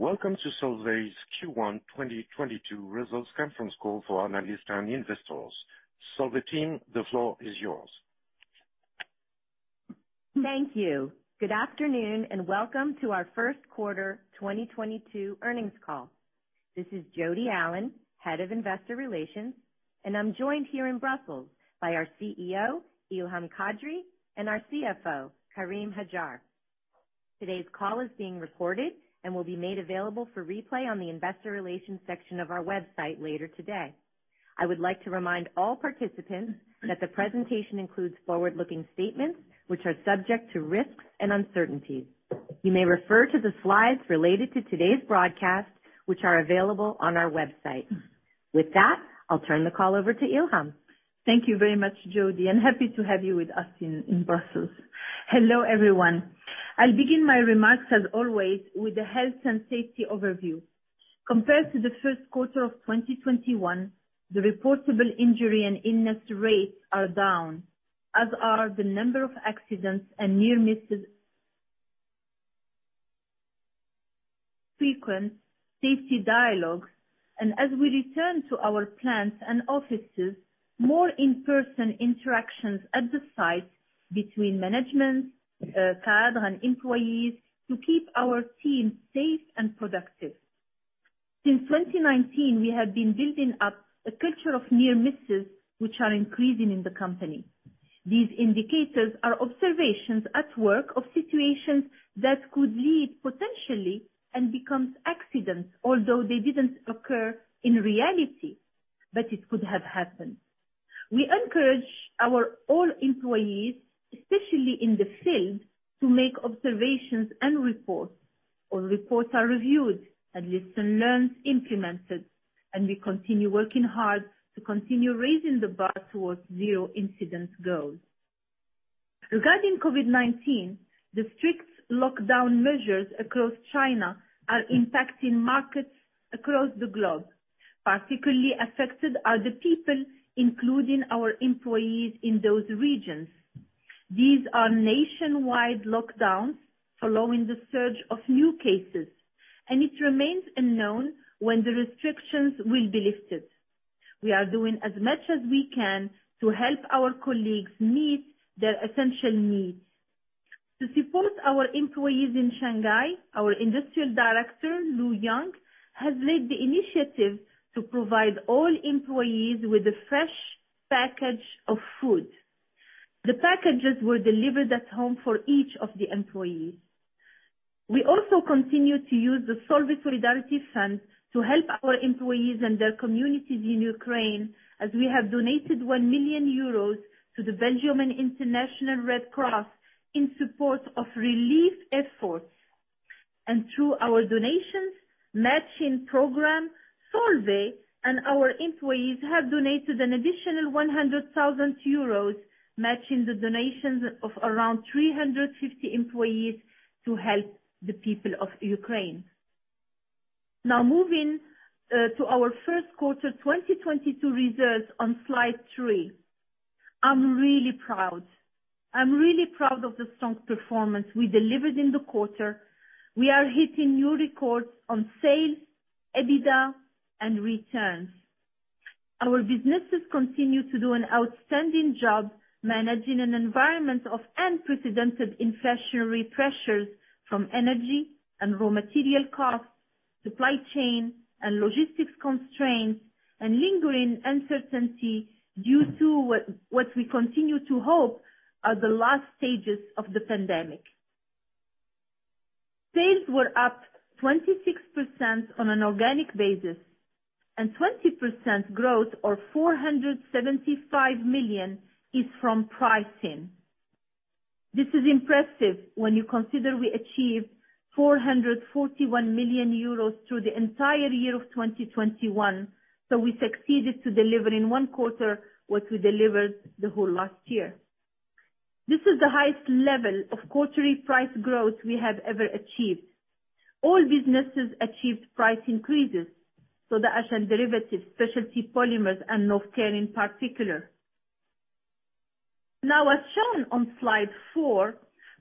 Welcome to Solvay's Q1 2022 Results Conference Call for analysts and investors. Solvay team, the floor is yours. Thank you. Good afternoon, and welcome to our first quarter 2022 earnings call. This is Jodi Allen, Head of Investor Relations, and I'm joined here in Brussels by our CEO, Ilham Kadri, and our CFO, Karim Hajjar. Today's call is being recorded and will be made available for replay on the investor relations section of our website later today. I would like to remind all participants that the presentation includes forward-looking statements which are subject to risks and uncertainties. You may refer to the slides related to today's broadcast, which are available on our website. With that, I'll turn the call over to Ilham. Thank you very much, Jody, and happy to have you with us in Brussels. Hello, everyone. I'll begin my remarks as always with the health and safety overview. Compared to the first quarter of 2021, the reportable injury and illness rates are down, as are the number of accidents and near misses. Frequent safety dialogues. As we return to our plants and offices, more in-person interactions at the site between management, cadre, and employees to keep our team safe and productive. Since 2019, we have been building up a culture of near misses, which are increasing in the company. These indicators are observations at work of situations that could lead potentially and becomes accidents, although they didn't occur in reality, but it could have happened. We encourage our all employees, especially in the field, to make observations and reports. All reports are reviewed and lessons learned implemented, and we continue working hard to continue raising the bar towards zero incidents goal. Regarding COVID-19, the strict lockdown measures across China are impacting markets across the globe. Particularly affected are the people, including our employees in those regions. These are nationwide lockdowns following the surge of new cases, and it remains unknown when the restrictions will be lifted. We are doing as much as we can to help our colleagues meet their essential needs. To support our employees in Shanghai, our Industrial Director, [Lu Yang], has led the initiative to provide all employees with a fresh package of food. The packages were delivered at home for each of the employees. We also continue to use the Solvay Solidarity Fund to help our employees and their communities in Ukraine as we have donated 1 million euros to the Belgian and International Red Cross in support of relief efforts. Through our donations matching program, Solvay and our employees have donated an additional 100,000 euros, matching the donations of around 350 employees to help the people of Ukraine. Now moving to our first quarter 2022 results on slide three. I'm really proud of the strong performance we delivered in the quarter. We are hitting new records on sales, EBITDA, and returns. Our businesses continue to do an outstanding job managing an environment of unprecedented inflationary pressures from energy and raw material costs, supply chain and logistics constraints, and lingering uncertainty due to what we continue to hope are the last stages of the pandemic. Sales were up 26% on an organic basis, and 20% growth or 475 million is from pricing. This is impressive when you consider we achieved 441 million euros through the entire year of 2021. We succeeded to deliver in one quarter what we delivered the whole last year. This is the highest level of quarterly price growth we have ever achieved. All businesses achieved price increases, soda ash and derivatives, specialty polymers, and Novecare in particular. Now as shown on slide four,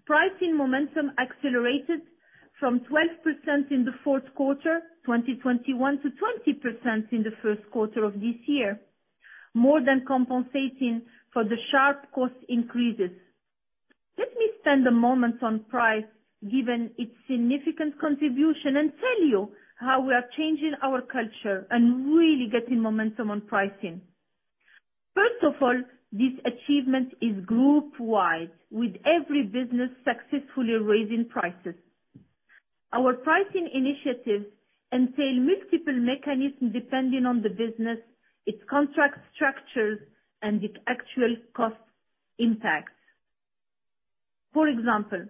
pricing momentum accelerated from 12% in the fourth quarter 2021 to 20% in the first quarter of this year, more than compensating for the sharp cost increases. Let me spend a moment on price, given its significant contribution, and tell you how we are changing our culture and really getting momentum on pricing. First of all, this achievement is group-wide, with every business successfully raising prices. Our pricing initiatives entail multiple mechanisms depending on the business, its contract structures, and its actual cost impacts. For example,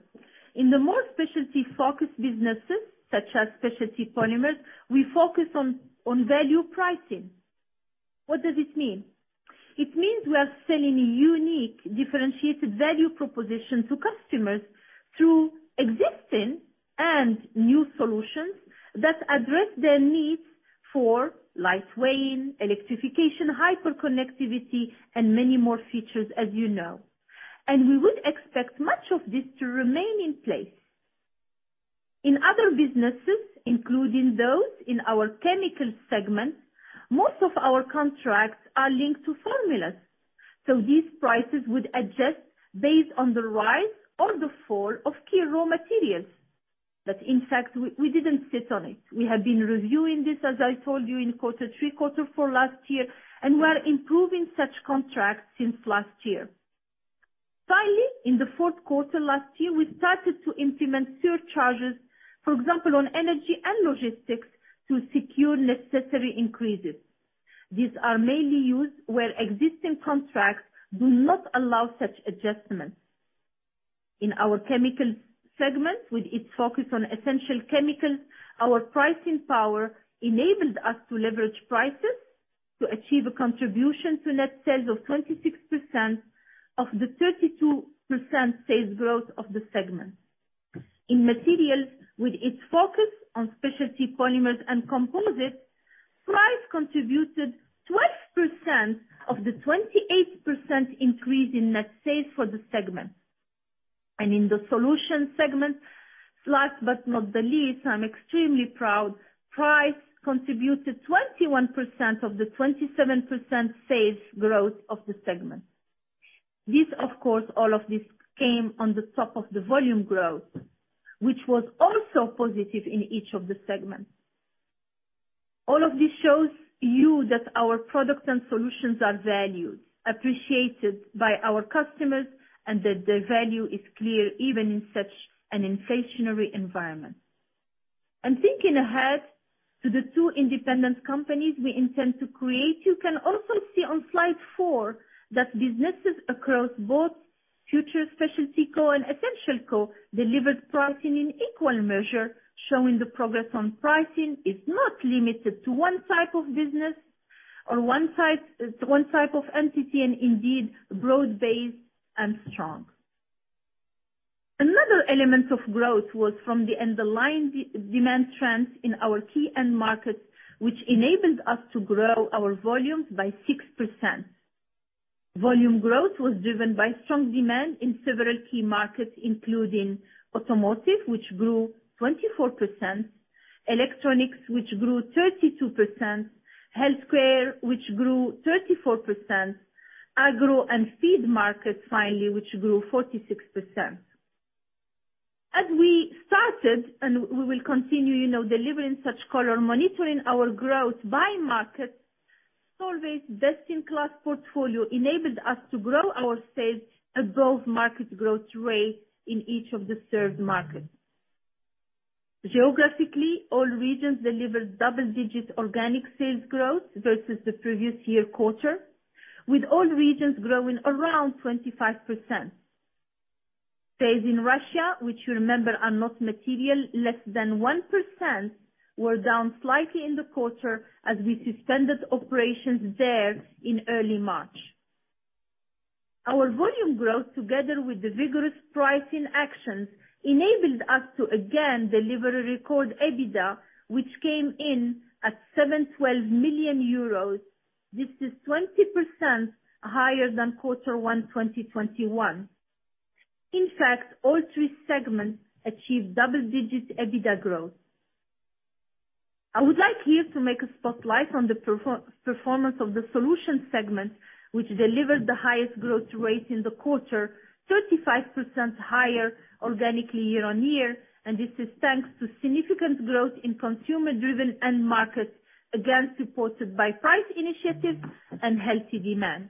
in the more specialty-focused businesses, such as specialty polymers, we focus on value pricing. What does this mean? It means we are selling a unique, differentiated value proposition to customers through existing and new solutions that address their needs, for light weighting, electrification, hyperconnectivity, and many more features as you know, and we would expect much of this to remain in place. In other businesses, including those in our chemical segment, most of our contracts are linked to formulas. These prices would adjust based on the rise or the fall of key raw materials. In fact, we didn't sit on it. We have been reviewing this, as I told you, in quarter three, quarter four last year, and we are improving such contracts since last year. Finally, in the fourth quarter last year, we started to implement surcharges, for example, on energy and logistics to secure necessary increases. These are mainly used where existing contracts do not allow such adjustments. In our chemicals segment, with its focus on essential chemicals, our pricing power enabled us to leverage prices to achieve a contribution to net sales of 26% of the 32% sales growth of the segment. In materials with its focus on specialty polymers and composites, price contributed 12% of the 28% increase in net sales for the segment. In the solutions segment, last but not the least, I'm extremely proud, price contributed 21% of the 27% sales growth of the segment. This, of course, all of this came on the top of the volume growth, which was also positive in each of the segments. All of this shows you that our products and solutions are valued, appreciated by our customers, and that the value is clear even in such an inflationary environment. Thinking ahead to the two independent companies we intend to create, you can also see on slide four that businesses across both future SpecialtyCo and EssentialCo delivered pricing in equal measure, showing the progress on pricing is not limited to one type of business or one type of entity, and indeed broad-based and strong. Another element of growth was from the underlying demand trends in our key end markets, which enabled us to grow our volumes by 6%. Volume growth was driven by strong demand in several key markets, including automotive, which grew 24%, electronics which grew 32%, healthcare which grew 34%, agro and feed markets, finally, which grew 46%. As we started, we will continue, you know, delivering such color, monitoring our growth by market, Solvay's best-in-class portfolio enabled us to grow our sales above market growth rate in each of the served markets. Geographically, all regions delivered double-digit organic sales growth versus the previous-year quarter, with all regions growing around 25%. Sales in Russia, which you remember are not material, less than 1%, were down slightly in the quarter as we suspended operations there in early March. Our volume growth, together with the vigorous pricing actions, enabled us to again deliver a record EBITDA which came in at 712 million euros. This is 20% higher than Q1 2021. In fact, all three segments achieved double-digit EBITDA growth. I would like here to make a spotlight on the performance of the solutions segment, which delivered the highest growth rate in the quarter, 35% higher organically year-on-year, and this is thanks to significant growth in consumer-driven end markets, again, supported by price initiatives and healthy demand.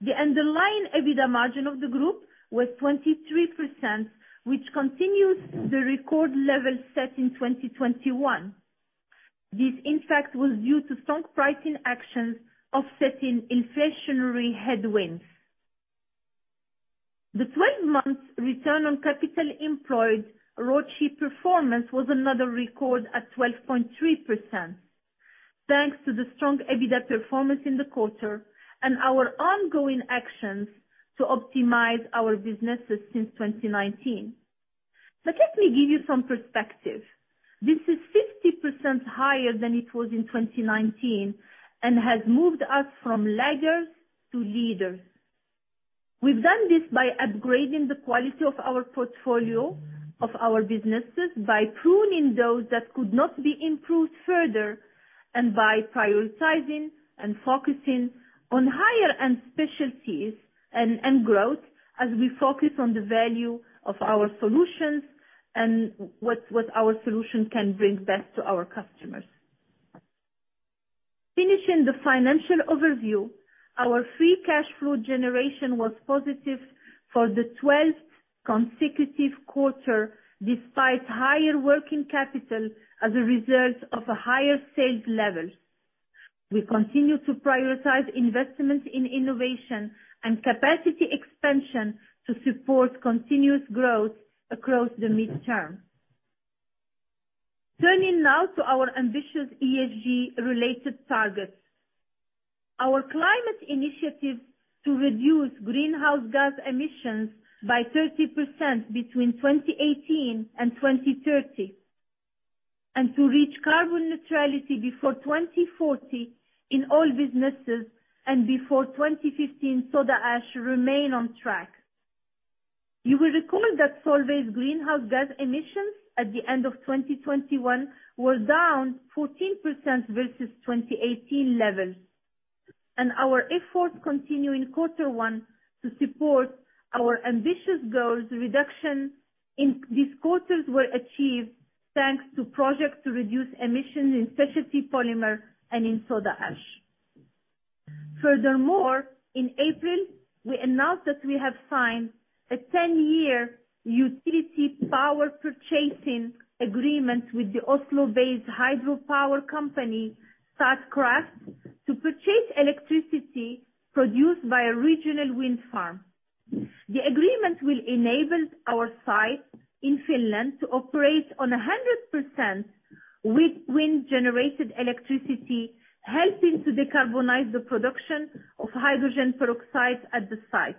The underlying EBITDA margin of the group was 23%, which continues the record level set in 2021. This, in fact, was due to strong pricing actions offsetting inflationary headwinds. The 12 months return on capital employed ROCE performance was another record at 12.3%. Thanks to the strong EBITDA performance in the quarter and our ongoing actions to optimize our businesses since 2019. Let me give you some perspective. This is 50% higher than it was in 2019 and has moved us from laggers to leaders. We've done this by upgrading the quality of our portfolio of our businesses, by pruning those that could not be improved further, and by prioritizing and focusing on higher-end specialties and growth as we focus on the value of our solutions and what our solutions can bring best to our customers. Finishing the financial overview, our free cash flow generation was positive for the 12th consecutive quarter, despite higher working capital as a result of a higher sales level. We continue to prioritize investments in innovation and capacity expansion to support continuous growth across the midterm. Turning now to our ambitious ESG-related targets. Our climate initiative to reduce greenhouse gas emissions by 30% between 2018 and 2030, and to reach carbon neutrality before 2040 in all businesses and before 2050 soda ash remain on track. You will recall that Solvay's greenhouse gas emissions at the end of 2021 were down 14% versus 2018 levels. Our efforts continue in quarter one to support our ambitious goals. Reduction in these quarters were achieved thanks to projects to reduce emissions in specialty polymer and in soda ash. Furthermore, in April, we announced that we have signed a 10-year utility power purchasing agreement with the Oslo-based hydropower company, Statkraft, to purchase electricity produced by a regional wind farm. The agreement will enable our site in Finland to operate on 100% with wind-generated electricity, helping to decarbonize the production of hydrogen peroxide at the site.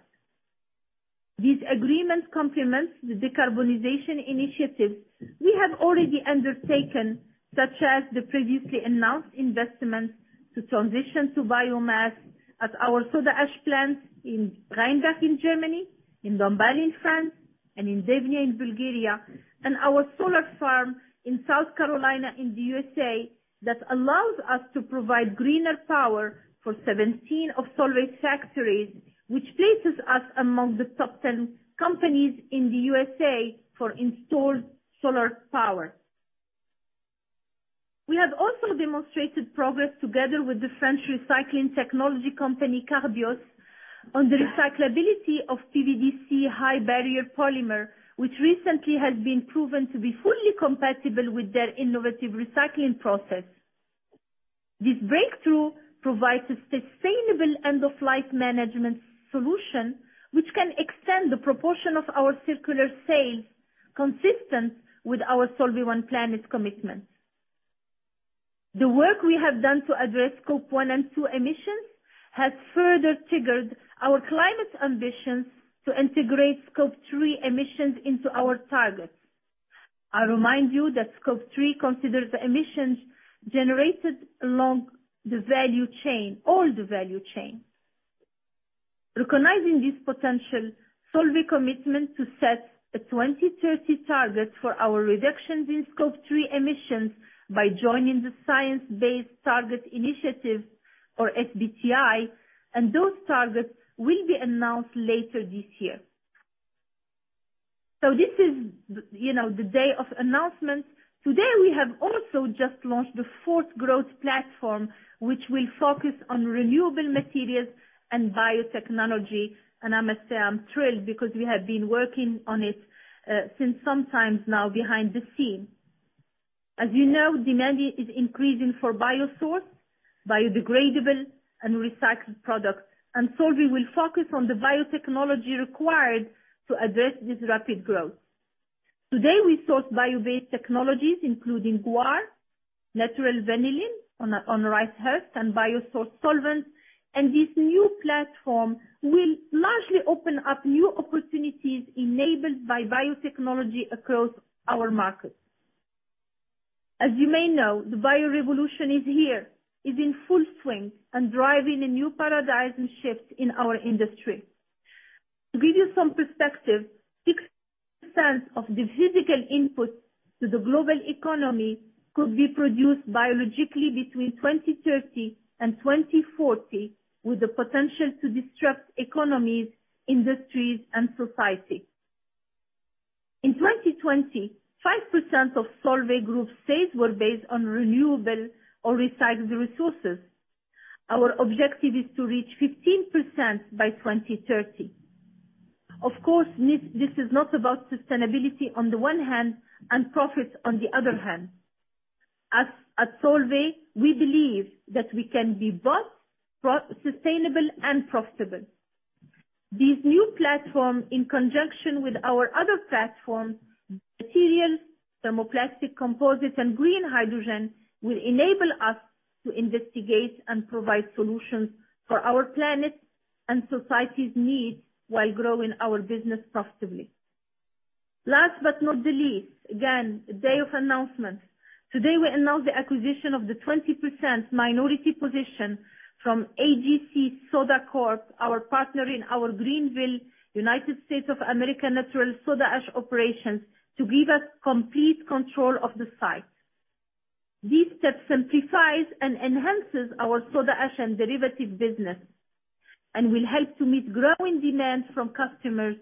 This agreement complements the decarbonization initiatives we have already undertaken, such as the previously announced investments to transition to biomass at our soda ash plants in Rheinberg in Germany, in Dombasle in France, and in Devnya in Bulgaria, and our solar farm in South Carolina in the U.S.A., that allows us to provide greener power for 17 of Solvay's factories, which places us among the top 10 companies in the U.S.A. for installed solar power. We have also demonstrated progress together with the French recycling technology company, Carbios, on the recyclability of PVDC high barrier polymer, which recently has been proven to be fully compatible with their innovative recycling process. This breakthrough provides a sustainable end-of-life management solution, which can extend the proportion of our circular sales consistent with our Solvay One Planet commitment. The work we have done to address Scope 1 and 2 emissions has further triggered our climate ambitions to integrate Scope 3 emissions into our targets. I remind you that Scope 3 considers the emissions generated along the value chain, all the value chain. Recognizing this potential, Solvay's commitment to set a 2030 target for our reductions in Scope 3 emissions by joining the Science Based Targets initiative or SBTi, and those targets will be announced later this year. This is, you know, the day of announcements. Today, we have also just launched the fourth growth platform, which will focus on renewable materials and biotechnology. I must say I'm thrilled because we have been working on it for some time now behind the scenes. As you know, demand is increasing for biosource, biodegradable and recycled products, and Solvay will focus on the biotechnology required to address this rapid growth. Today, we source bio-based technologies including guar, natural vanillin on rice husk, and biosourced solvents. This new platform will largely open up new opportunities enabled by biotechnology across our markets. As you may know, the bio revolution is here. It's in full swing and driving a new paradigm shift in our industry. To give you some perspective, 60% of the physical inputs to the global economy could be produced biologically between 2030 and 2040, with the potential to disrupt economies, industries and society. In 2020, 5% of Solvay Group's sales were based on renewable or recycled resources. Our objective is to reach 15% by 2030. Of course, this is not about sustainability on the one hand and profits on the other hand. As at Solvay, we believe that we can be both sustainable and profitable. This new platform, in conjunction with our other platforms, materials, thermoplastic composites and green hydrogen, will enable us to investigate and provide solutions for our planet and society's needs while growing our business profitably. Last but not the least, again, a day of announcement. Today, we announce the acquisition of the 20% minority position from [AGC Soda Corp], our partner in our Greenville, United States of America, natural soda ash operations, to give us complete control of the site. This step simplifies and enhances our soda ash and derivative business and will help to meet growing demands from customers,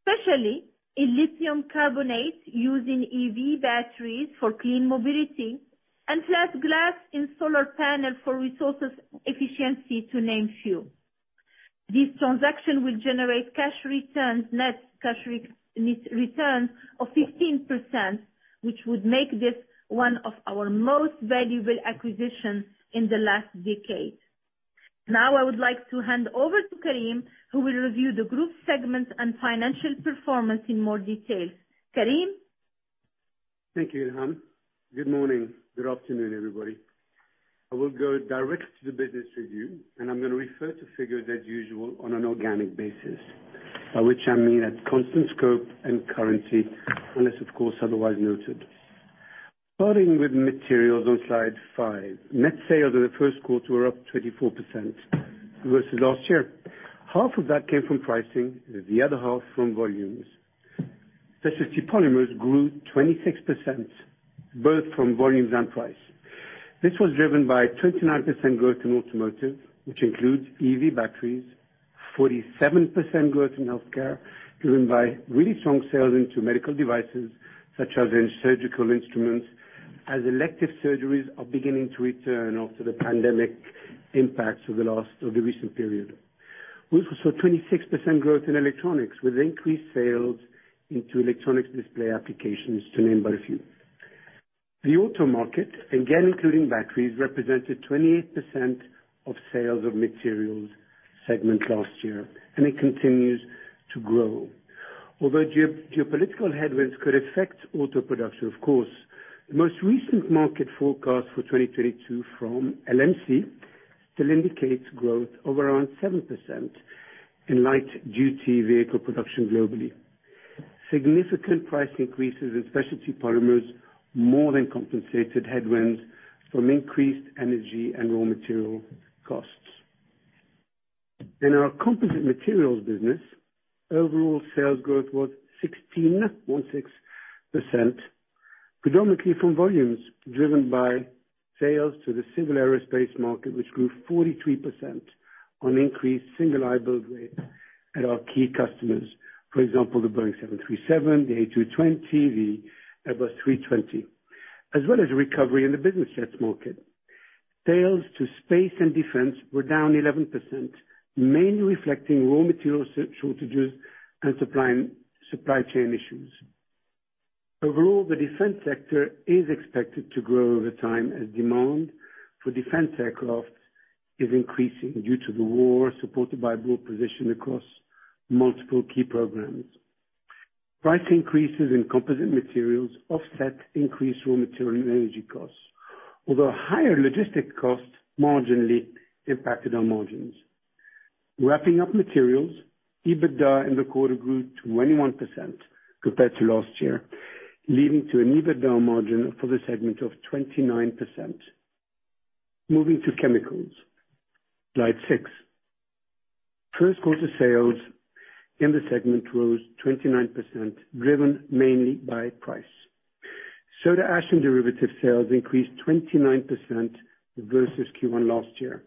especially in lithium carbonate, using EV batteries for clean mobility and flat glass in solar panels for resource efficiency, to name a few. This transaction will generate cash returns, net return of 15%, which would make this one of our most valuable acquisitions in the last decade. Now, I would like to hand over to Karim, who will review the group segments and financial performance in more detail. Karim? Thank you, Ilham. Good morning. Good afternoon, everybody. I will go directly to the business review, and I'm gonna refer to figures as usual on an organic basis. By which I mean at constant scope and currency, unless of course, otherwise noted. Starting with materials on slide five. Net sales in the first quarter were up 24% versus last year. Half of that came from pricing, the other half from volumes. Specialty polymers grew 26%, both from volumes and price. This was driven by a 29% growth in automotive, which includes EV batteries. 47% growth in healthcare, driven by really strong sales into medical devices such as in surgical instruments, as elective surgeries are beginning to return after the pandemic impacts of the recent period. We also saw 26% growth in electronics, with increased sales into electronics display applications, to name but a few. The auto market, again including batteries, represented 28% of sales of materials segment last year, and it continues to grow. Although geo-geopolitical headwinds could affect auto production, of course, the most recent market forecast for 2022 from LMC still indicates growth of around 7% in light-duty vehicle production globally. Significant price increases in specialty polymers more than compensated headwinds from increased energy and raw material costs. In our composite materials business, overall sales growth was 16%, predominantly from volumes driven by sales to the civil aerospace market, which grew 43% on increased single aisle build rate at our key customers. For example, the Boeing 737, the A220, the Airbus A320, as well as a recovery in the business jets market. Sales to space and defense were down 11%, mainly reflecting raw material shortages and supply chain issues. Overall, the defense sector is expected to grow over time as demand for defense aircraft is increasing due to the war, supported by a broad position across multiple key programs. Price increases in composite materials offset increased raw material and energy costs. Although higher logistics costs marginally impacted our margins. Wrapping up materials, EBITDA in the quarter grew 21% compared to last year, leading to an EBITDA margin for the segment of 29%. Moving to chemicals. Slide six. First quarter sales in the segment rose 29%, driven mainly by price. Soda ash and derivative sales increased 29% versus Q1 last year.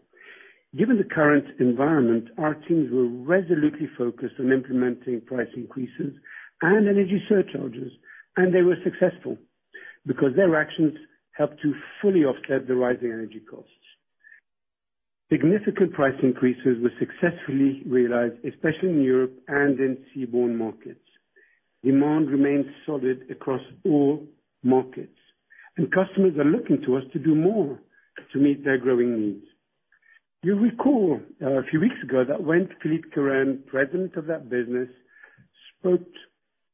Given the current environment, our teams were resolutely focused on implementing price increases and energy surcharges, and they were successful because their actions helped to fully offset the rising energy costs. Significant price increases were successfully realized, especially in Europe and in seaborne markets. Demand remains solid across all markets, and customers are looking to us to do more to meet their growing needs. You'll recall a few weeks ago that when Philippe Kehren, President of that business, spoke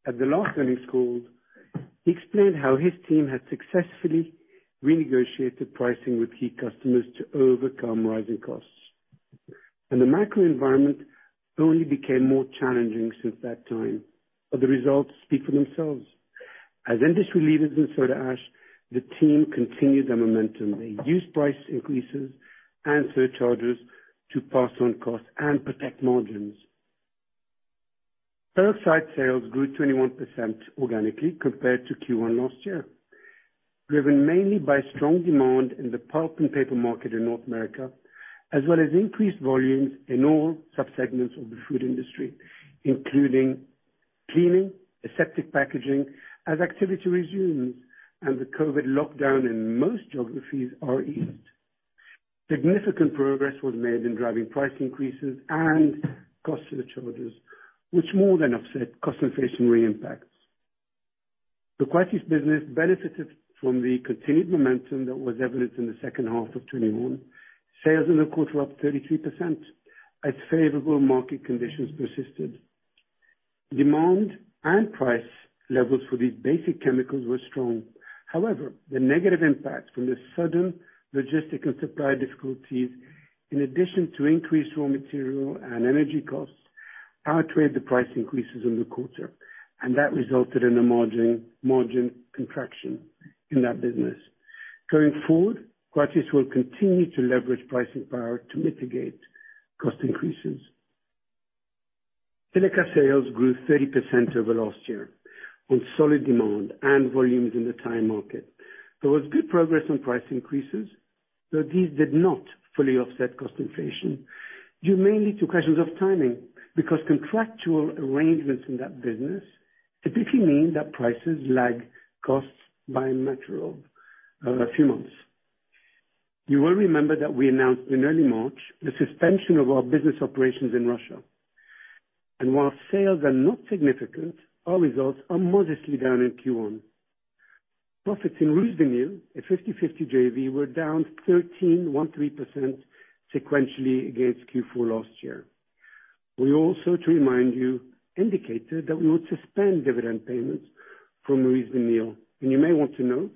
at the last earnings call, he explained how his team had successfully renegotiated pricing with key customers to overcome rising costs. The macro environment only became more challenging since that time, but the results speak for themselves. As industry leaders in soda ash, the team continued their momentum. They used price increases and surcharges to pass on costs and protect margins. Peroxide sales grew 21% organically compared to Q1 last year, driven mainly by strong demand in the pulp and paper market in North America, as well as increased volumes in all subsegments of the food industry, including cleaning, aseptic packaging, as activity resumes and the COVID lockdown in most geographies are eased. Significant progress was made in driving price increases and cost surcharges, which more than offset cost inflationary impacts. The Coatis business benefited from the continued momentum that was evident in the second half of 2021. Sales in the quarter were up 33% as favorable market conditions persisted. Demand and price levels for these basic chemicals were strong. However, the negative impact from the sudden logistical supply difficulties, in addition to increased raw material and energy costs, outweighed the price increases in the quarter, and that resulted in a margin contraction in that business. Going forward, Coatis will continue to leverage pricing power to mitigate cost increases. Silica sales grew 30% over last year on solid demand and volumes in the tire market. There was good progress on price increases, though these did not fully offset cost inflation due mainly to questions of timing, because contractual arrangements in that business typically mean that prices lag costs by a matter of a few months. You will remember that we announced in early March the suspension of our business operations in Russia. While sales are not significant, our results are modestly down in Q1. Profits in RusVinyl, a 50-50 JV, were down 13.13% sequentially against Q4 last year. We also, to remind you, indicated that we would suspend dividend payments from RusVinyl, and you may want to note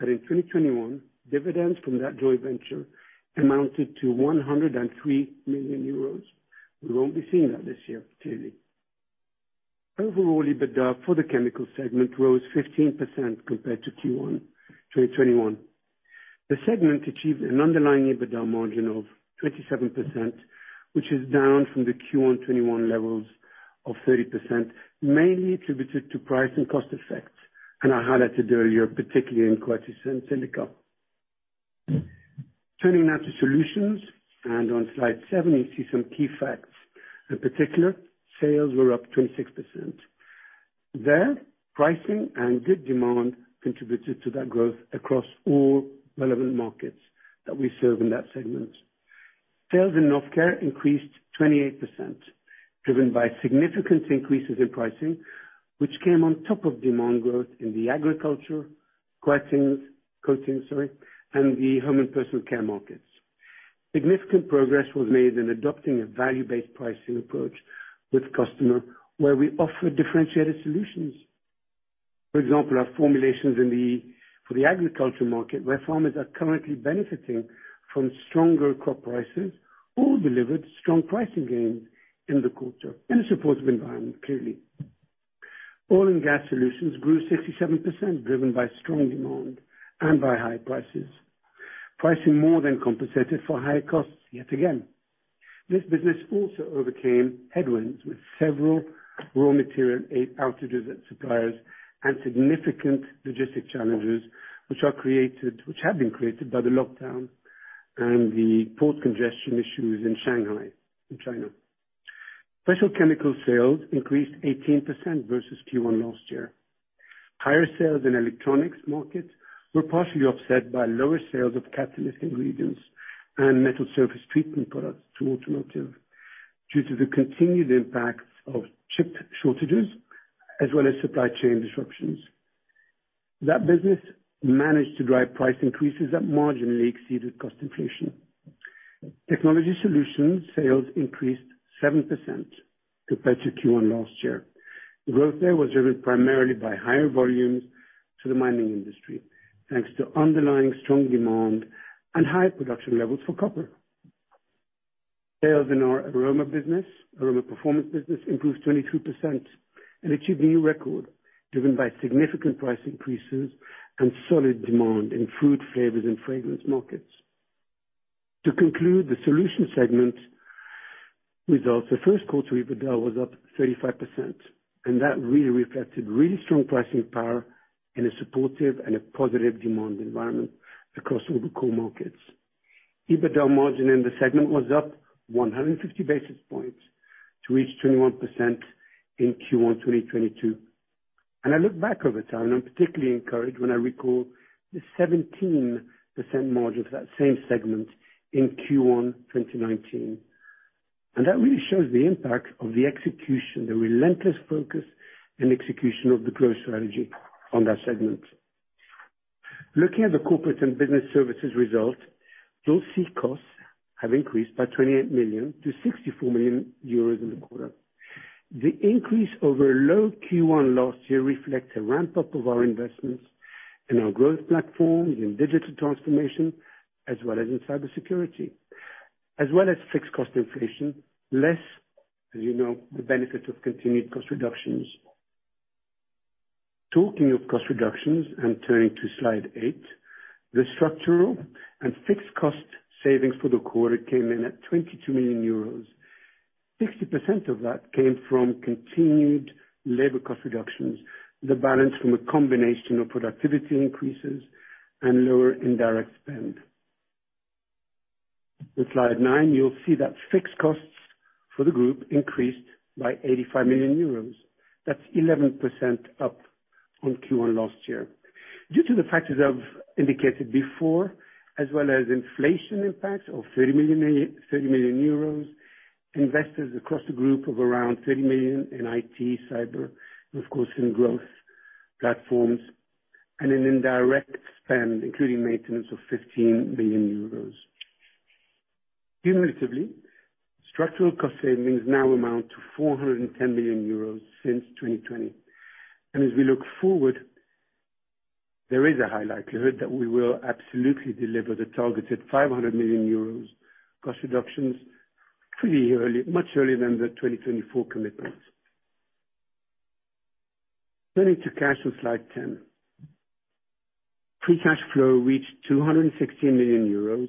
that in 2021, dividends from that joint venture amounted to 103 million euros. We won't be seeing that this year, clearly. Overall, EBITDA for the chemical segment rose 15% compared to Q1 2021. The segment achieved an underlying EBITDA margin of 27%, which is down from the Q1 2021 levels of 30%, mainly attributed to price and cost effects, and I highlighted earlier, particularly in silica. Turning now to solutions, on slide seven you see some key facts. In particular, sales were up 26%. There, pricing and good demand contributed to that growth across all relevant markets that we serve in that segment. Sales in Novecare increased 28%, driven by significant increases in pricing, which came on top of demand growth in the agriculture, coatings, sorry, and the home and personal care markets. Significant progress was made in adopting a value-based pricing approach with customer where we offer differentiated solutions. For example, our formulations in the, for the agriculture market, where farmers are currently benefiting from stronger crop prices, all delivered strong pricing gains in the quarter in a supportive environment, clearly. Oil and gas solutions grew 67%, driven by strong demand and by high prices. Pricing more than compensated for higher costs yet again. This business also overcame headwinds with several raw material outages at suppliers and significant logistic challenges which have been created by the lockdown and the port congestion issues in Shanghai, in China. Specialty chemical sales increased 18% versus Q1 last year. Higher sales in electronics markets were partially offset by lower sales of catalyst ingredients and metal surface treatment products to automotive due to the continued impact of chip shortages as well as supply chain disruptions. That business managed to drive price increases that marginally exceeded cost inflation. Technology solutions sales increased 7% compared to Q1 last year. The growth there was driven primarily by higher volumes to the mining industry, thanks to underlying strong demand and higher production levels for copper. Sales in our aroma business, Aroma Performance business, improved 22% and achieved a new record driven by significant price increases and solid demand in food, flavors, and fragrance markets. To conclude, the solutions segment results for first quarter EBITDA was up 35%, and that really reflected really strong pricing power in a supportive and a positive demand environment across all the core markets. EBITDA margin in the segment was up 150 basis points to reach 21% in Q1 2022. I look back over time, I'm particularly encouraged when I recall the 17% margin for that same segment in Q1 2019. That really shows the impact of the execution, the relentless focus and execution of the growth strategy on that segment. Looking at the Corporate & Business Services result, you'll see costs have increased by 28 million to 64 million euros in the quarter. The increase over low Q1 last year reflects a ramp-up of our investments in our growth platforms, in digital transformation, as well as in cybersecurity, as well as fixed cost inflation, less, as you know, the benefit of continued cost reductions. Talking of cost reductions and turning to slide eight, the structural and fixed cost savings for the quarter came in at 22 million euros. 60% of that came from continued labor cost reductions, the balance from a combination of productivity increases and lower indirect spend. On slide nine, you'll see that fixed costs for the group increased by 85 million euros. That's 11% up on Q1 last year. Due to the factors I've indicated before, as well as inflation impacts of 30 million, investments across the group of around 30 million in IT, cyber, and of course in growth platforms, and an indirect spend, including maintenance of 15 billion euros. Cumulatively, structural cost savings now amount to 410 million euros since 2020. As we look forward, there is a high likelihood that we will absolutely deliver the targeted 500 million euros cost reductions pretty early, much earlier than the 2024 commitment. Turning to cash on slide 10. Free cash flow reached 260 million euros,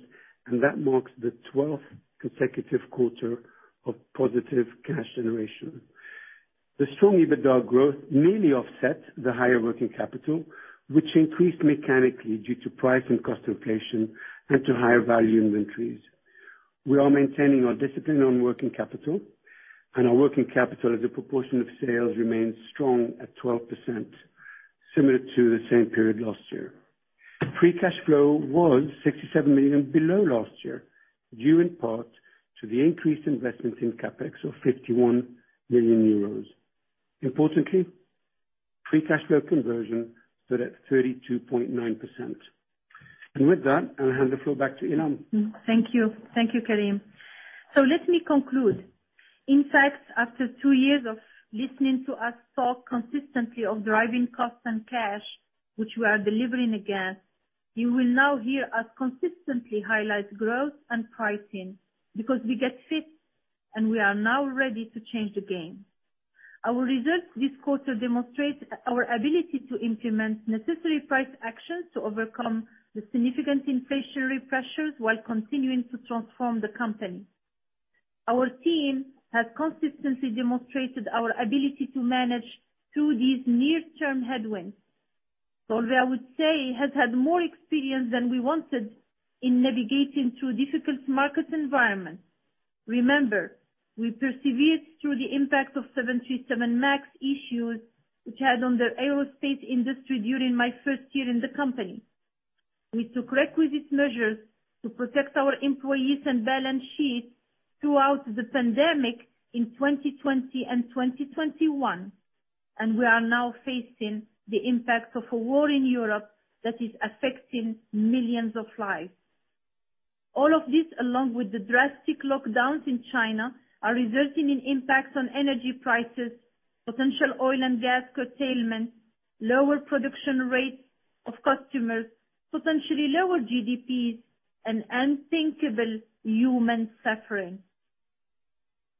and that marks the 12th consecutive quarter of positive cash generation. The strong EBITDA growth mainly offset the higher working capital, which increased mechanically due to price and cost inflation and to higher value inventories. We are maintaining our discipline on working capital, and our working capital as a proportion of sales remains strong at 12%, similar to the same period last year. Free cash flow was 67 million below last year, due in part to the increased investment in CapEx of 51 million euros. Importantly, free cash flow conversion stood at 32.9%. With that, I'll hand the floor back to Ilham. Thank you. Thank you, Karim. Let me conclude. In fact, after two years of listening to us talk consistently of driving costs and cash, which we are delivering again, you will now hear us consistently highlight growth and pricing because we get fit, and we are now ready to change the game. Our results this quarter demonstrate our ability to implement necessary price actions to overcome the significant inflationary pressures while continuing to transform the company. Our team has consistently demonstrated our ability to manage through these near-term headwinds. Solvay, I would say, has had more experience than we wanted in navigating through difficult market environments. Remember, we persevered through the impact of 737 MAX issues, which had on the aerospace industry during my first year in the company. We took requisite measures to protect our employees and balance sheet throughout the pandemic in 2020 and 2021, and we are now facing the impact of a war in Europe that is affecting millions of lives. All of this, along with the drastic lockdowns in China, are resulting in impacts on energy prices, potential oil and gas curtailment, lower production rates of customers, potentially lower GDPs, and unthinkable human suffering.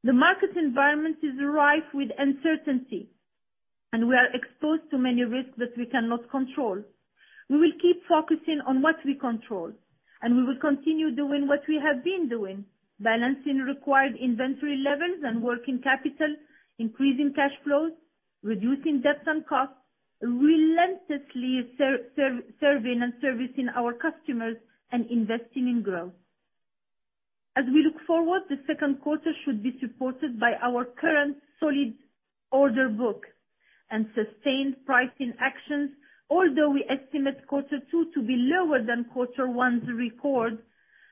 The market environment is rife with uncertainty, and we are exposed to many risks that we cannot control. We will keep focusing on what we control, and we will continue doing what we have been doing, balancing required inventory levels and working capital, increasing cash flows, reducing debt and costs, relentlessly serving and servicing our customers, and investing in growth. As we look forward, the second quarter should be supported by our current solid order book and sustained pricing actions. Although we estimate quarter two to be lower than quarter one's record,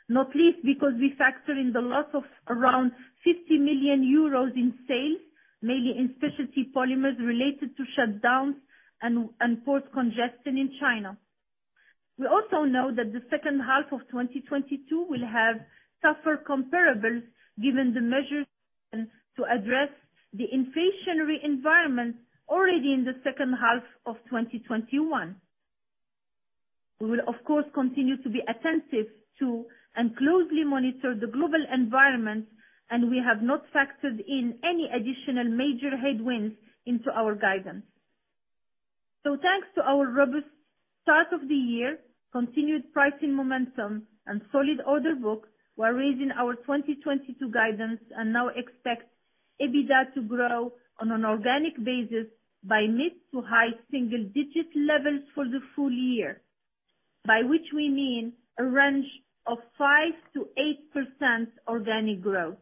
not least because we factor in the loss of around 50 million euros in sales, mainly in specialty polymers related to shutdowns and port congestion in China. We also know that the second half of 2022 will have tougher comparables given the measures to address the inflationary environment already in the second half of 2021. We will, of course, continue to be attentive to and closely monitor the global environment, and we have not factored in any additional major headwinds into our guidance. Thanks to our robust start of the year, continued pricing momentum and solid order book, we're raising our 2022 guidance and now expect EBITDA to grow on an organic basis by mid-to-high single digit levels for the full year, by which we mean a range of 5%-8% organic growth.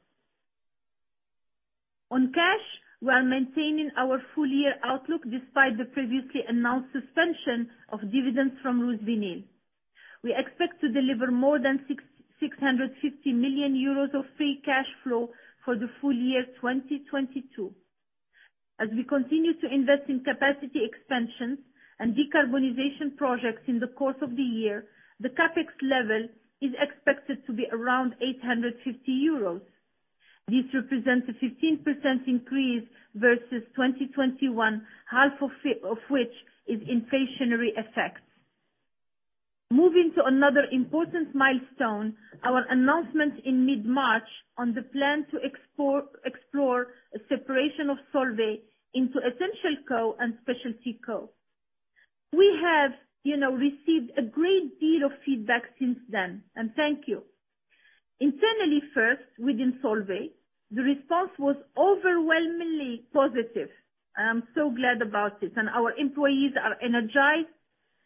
On cash, we are maintaining our full year outlook despite the previously announced suspension of dividends from RusVinyl. We expect to deliver more than 650 million euros of free cash flow for the full year 2022. As we continue to invest in capacity expansions and decarbonization projects in the course of the year, the CapEx level is expected to be around 850 million euros. This represents a 15% increase versus 2021, half of which is inflationary effects. Moving to another important milestone, our announcement in mid-March on the plan to explore a separation of Solvay into EssentialCo and SpecialtyCo. We have, you know, received a great deal of feedback since then, and thank you. Internally first within Solvay, the response was overwhelmingly positive. I am so glad about it, and our employees are energized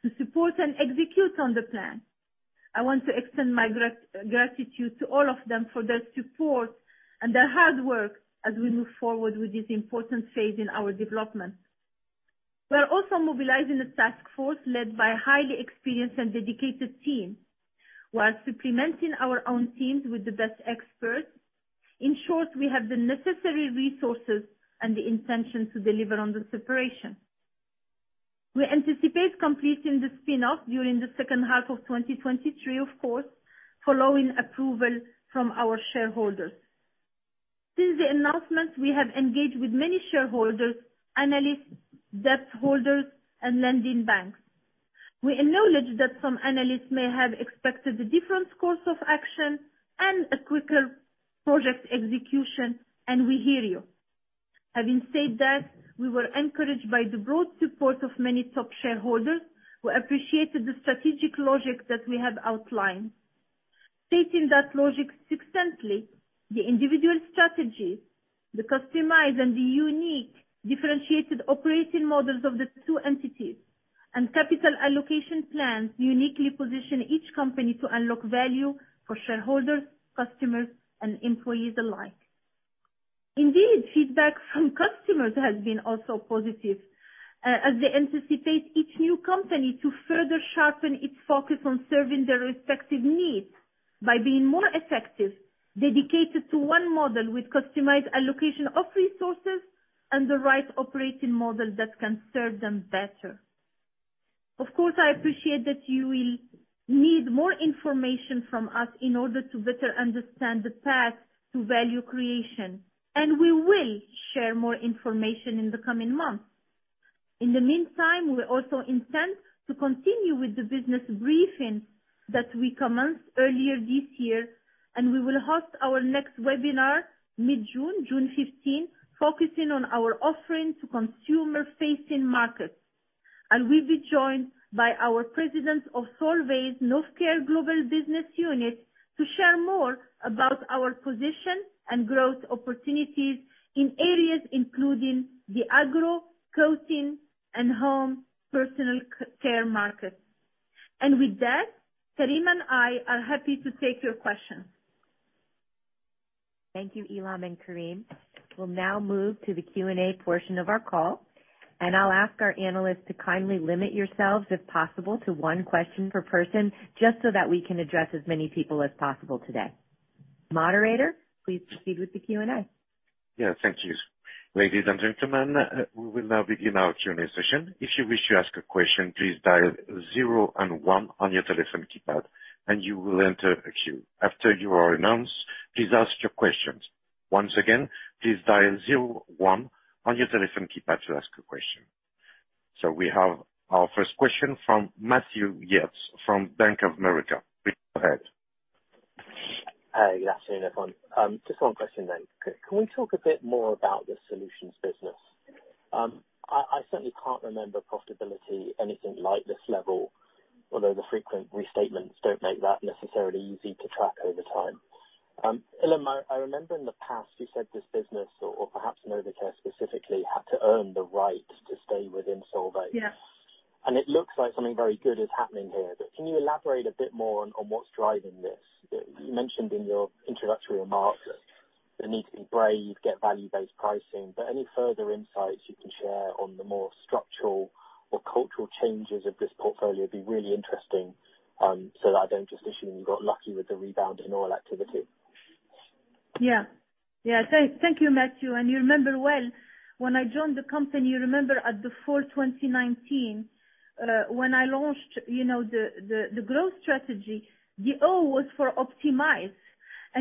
to support and execute on the plan. I want to extend my gratitude to all of them for their support and their hard work as we move forward with this important phase in our development. We are also mobilizing a task force led by a highly experienced and dedicated team while supplementing our own teams with the best experts. In short, we have the necessary resources and the intention to deliver on the separation. We anticipate completing the spin-off during the second half of 2023, of course, following approval from our shareholders. Since the announcement, we have engaged with many shareholders, analysts, debt holders and lending banks. We acknowledge that some analysts may have expected a different course of action and a quicker project execution, and we hear you. Having said that, we were encouraged by the broad support of many top shareholders who appreciated the strategic logic that we have outlined. Stating that logic succinctly, the individual strategies, the customized and the unique differentiated operating models of the two entities and capital allocation plans uniquely position each company to unlock value for shareholders, customers, and employees alike. Indeed, feedback from customers has been also positive, as they anticipate each new company to further sharpen its focus on serving their respective needs. By being more effective, dedicated to one model with customized allocation of resources and the right operating model that can serve them better. Of course, I appreciate that you will need more information from us in order to better understand the path to value creation, and we will share more information in the coming months. In the meantime, we also intend to continue with the business briefings that we commenced earlier this year, and we will host our next webinar mid-June, June 15th, focusing on our offering to consumer-facing markets. I will be joined by our President of Solvay's Novecare Global Business Unit to share more about our position and growth opportunities in areas including the agro, coating, and home and personal care market. With that, Karim and I are happy to take your questions. Thank you, Ilham and Karim. We'll now move to the Q&A portion of our call, and I'll ask our analysts to kindly limit yourselves, if possible, to one question per person, just so that we can address as many people as possible today. Moderator, please proceed with the Q&A. Yeah, thank you. Ladies and gentlemen, we will now begin our Q&A session. If you wish to ask a question, please dial zero and one on your telephone keypad, and you will enter a queue. After you are announced, please ask your questions. Once again, please dial zero one on your telephone keypad to ask a question. We have our first question from Matthew Yates from Bank of America. Please go ahead. Hi. Good afternoon, everyone. Just one question. Can we talk a bit more about the solutions business? I certainly can't remember profitability anything like this level, although the frequent restatements don't make that necessarily easy to track over time. Ilham, I remember in the past you said this business or perhaps Novecare specifically had to earn the right to stay within Solvay. Yes. It looks like something very good is happening here. Can you elaborate a bit more on what's driving this? You mentioned in your introductory remarks that the need to be brave, get value-based pricing, but any further insights you can share on the more structural or cultural changes of this portfolio would be really interesting, so that I don't just assume you got lucky with the rebound in oil activity. Yeah. Thank you, Matthew. You remember well when I joined the company. You remember at the fall 2019, when I launched, you know, the growth strategy. The O was for optimize.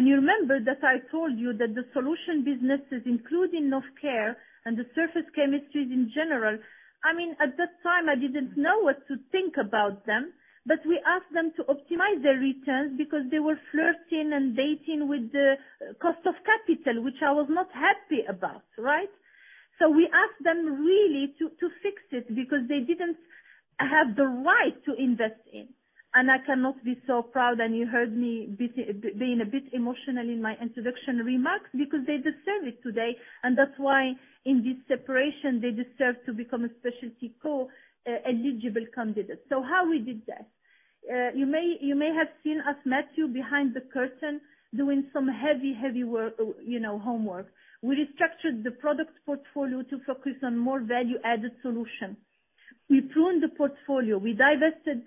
You remember that I told you that the solution businesses, including Novecare and the surface chemistries in general, I mean, at that time, I didn't know what to think about them. We asked them to optimize their returns because they were flirting and dating with the cost of capital, which I was not happy about, right? We asked them really to fix it because they didn't have the right to invest in. I can be so proud, and you heard me being a bit emotional in my introduction remarks because they deserve it today. That's why in this separation, they deserve to become a SpecialtyCo, eligible candidate. How we did that? You may have seen us, Matthew, behind the curtain doing some heavy work, you know, homework. We restructured the product portfolio to focus on more value-added solution. We pruned the portfolio. We divested,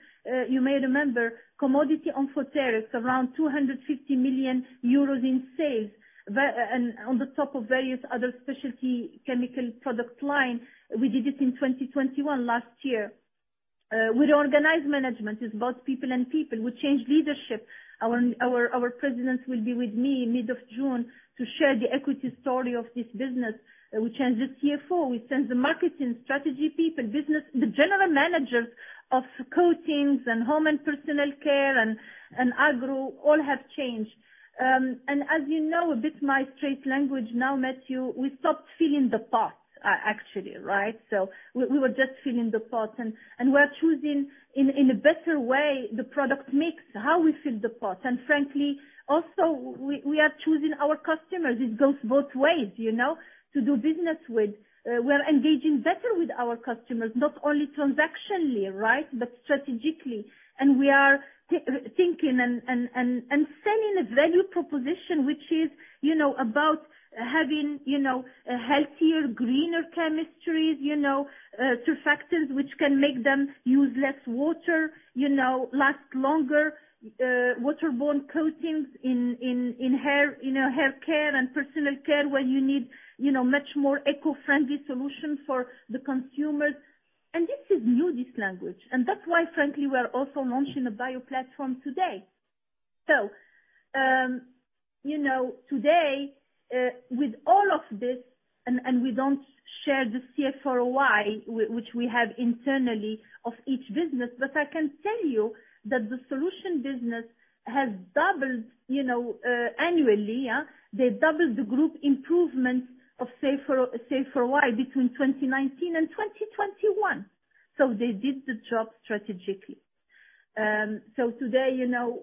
you may remember, commodity amphoteric, around 250 million euros in sales, and on top of various other specialty chemical product line. We did it in 2021 last year. We organized management. It's about people and people. We changed leadership. Our presidents will be with me mid-June to share the equity story of this business. We changed the CFO. We sent the marketing strategy people, business. The general managers of coatings and home and personal care and agro all have changed. As you know, a bit more straight language now, Matthew, we stopped filling the pot, actually, right? We were just filling the pot, and we're choosing in a better way the product mix, how we fill the pot. Frankly, also we are choosing our customers. It goes both ways, you know, to do business with. We are engaging better with our customers, not only transactionally, right, but strategically. We are thinking and sending a value proposition, which is, you know, about having, you know, a healthier, greener chemistries, you know, surfactants, which can make them use less water, you know, last longer, water-borne coatings in hair, you know, hair care and personal care, where you need, you know, much more eco-friendly solutions for the consumers. This is new, this language. That's why, frankly, we are also launching a bio platform today. Today, with all of this and we don't share the CFROI which we have internally of each business, but I can tell you that the solution business has doubled, you know, annually, yeah. They doubled the group improvements of [CFROI] between 2019 and 2021. They did the job strategically. Today, you know,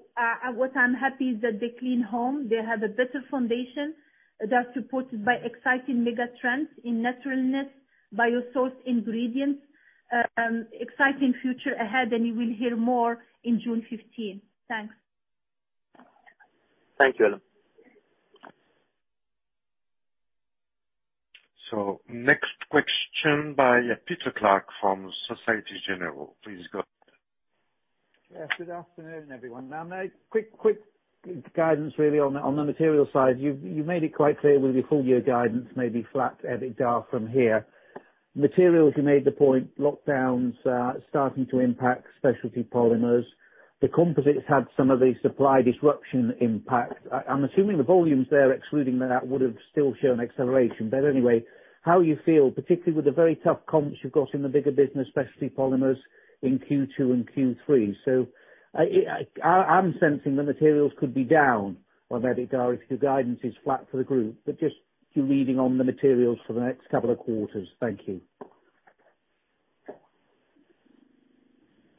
what I'm happy is that the clean home, they have a better foundation. They're supported by exciting mega trends in naturalness, biosourced ingredients, exciting future ahead, and you will hear more in June 15th. Thanks. Thank you, Ilham. Next question by Peter Clark from Société Générale. Please go ahead. Yeah. Good afternoon, everyone. Now, quick guidance really on the materials side. You've made it quite clear with your full year guidance may be flat EBITDA from here. Materials, you made the point, lockdowns starting to impact specialty polymers. The composites had some of the supply disruption impact. I'm assuming the volumes there, excluding that, would've still shown acceleration. Anyway, how you feel, particularly with the very tough comps you've got in the bigger business, specialty polymers in Q2 and Q3. I'm sensing the materials could be down on EBITDA if your guidance is flat for the group, but just your reading on the materials for the next couple of quarters. Thank you.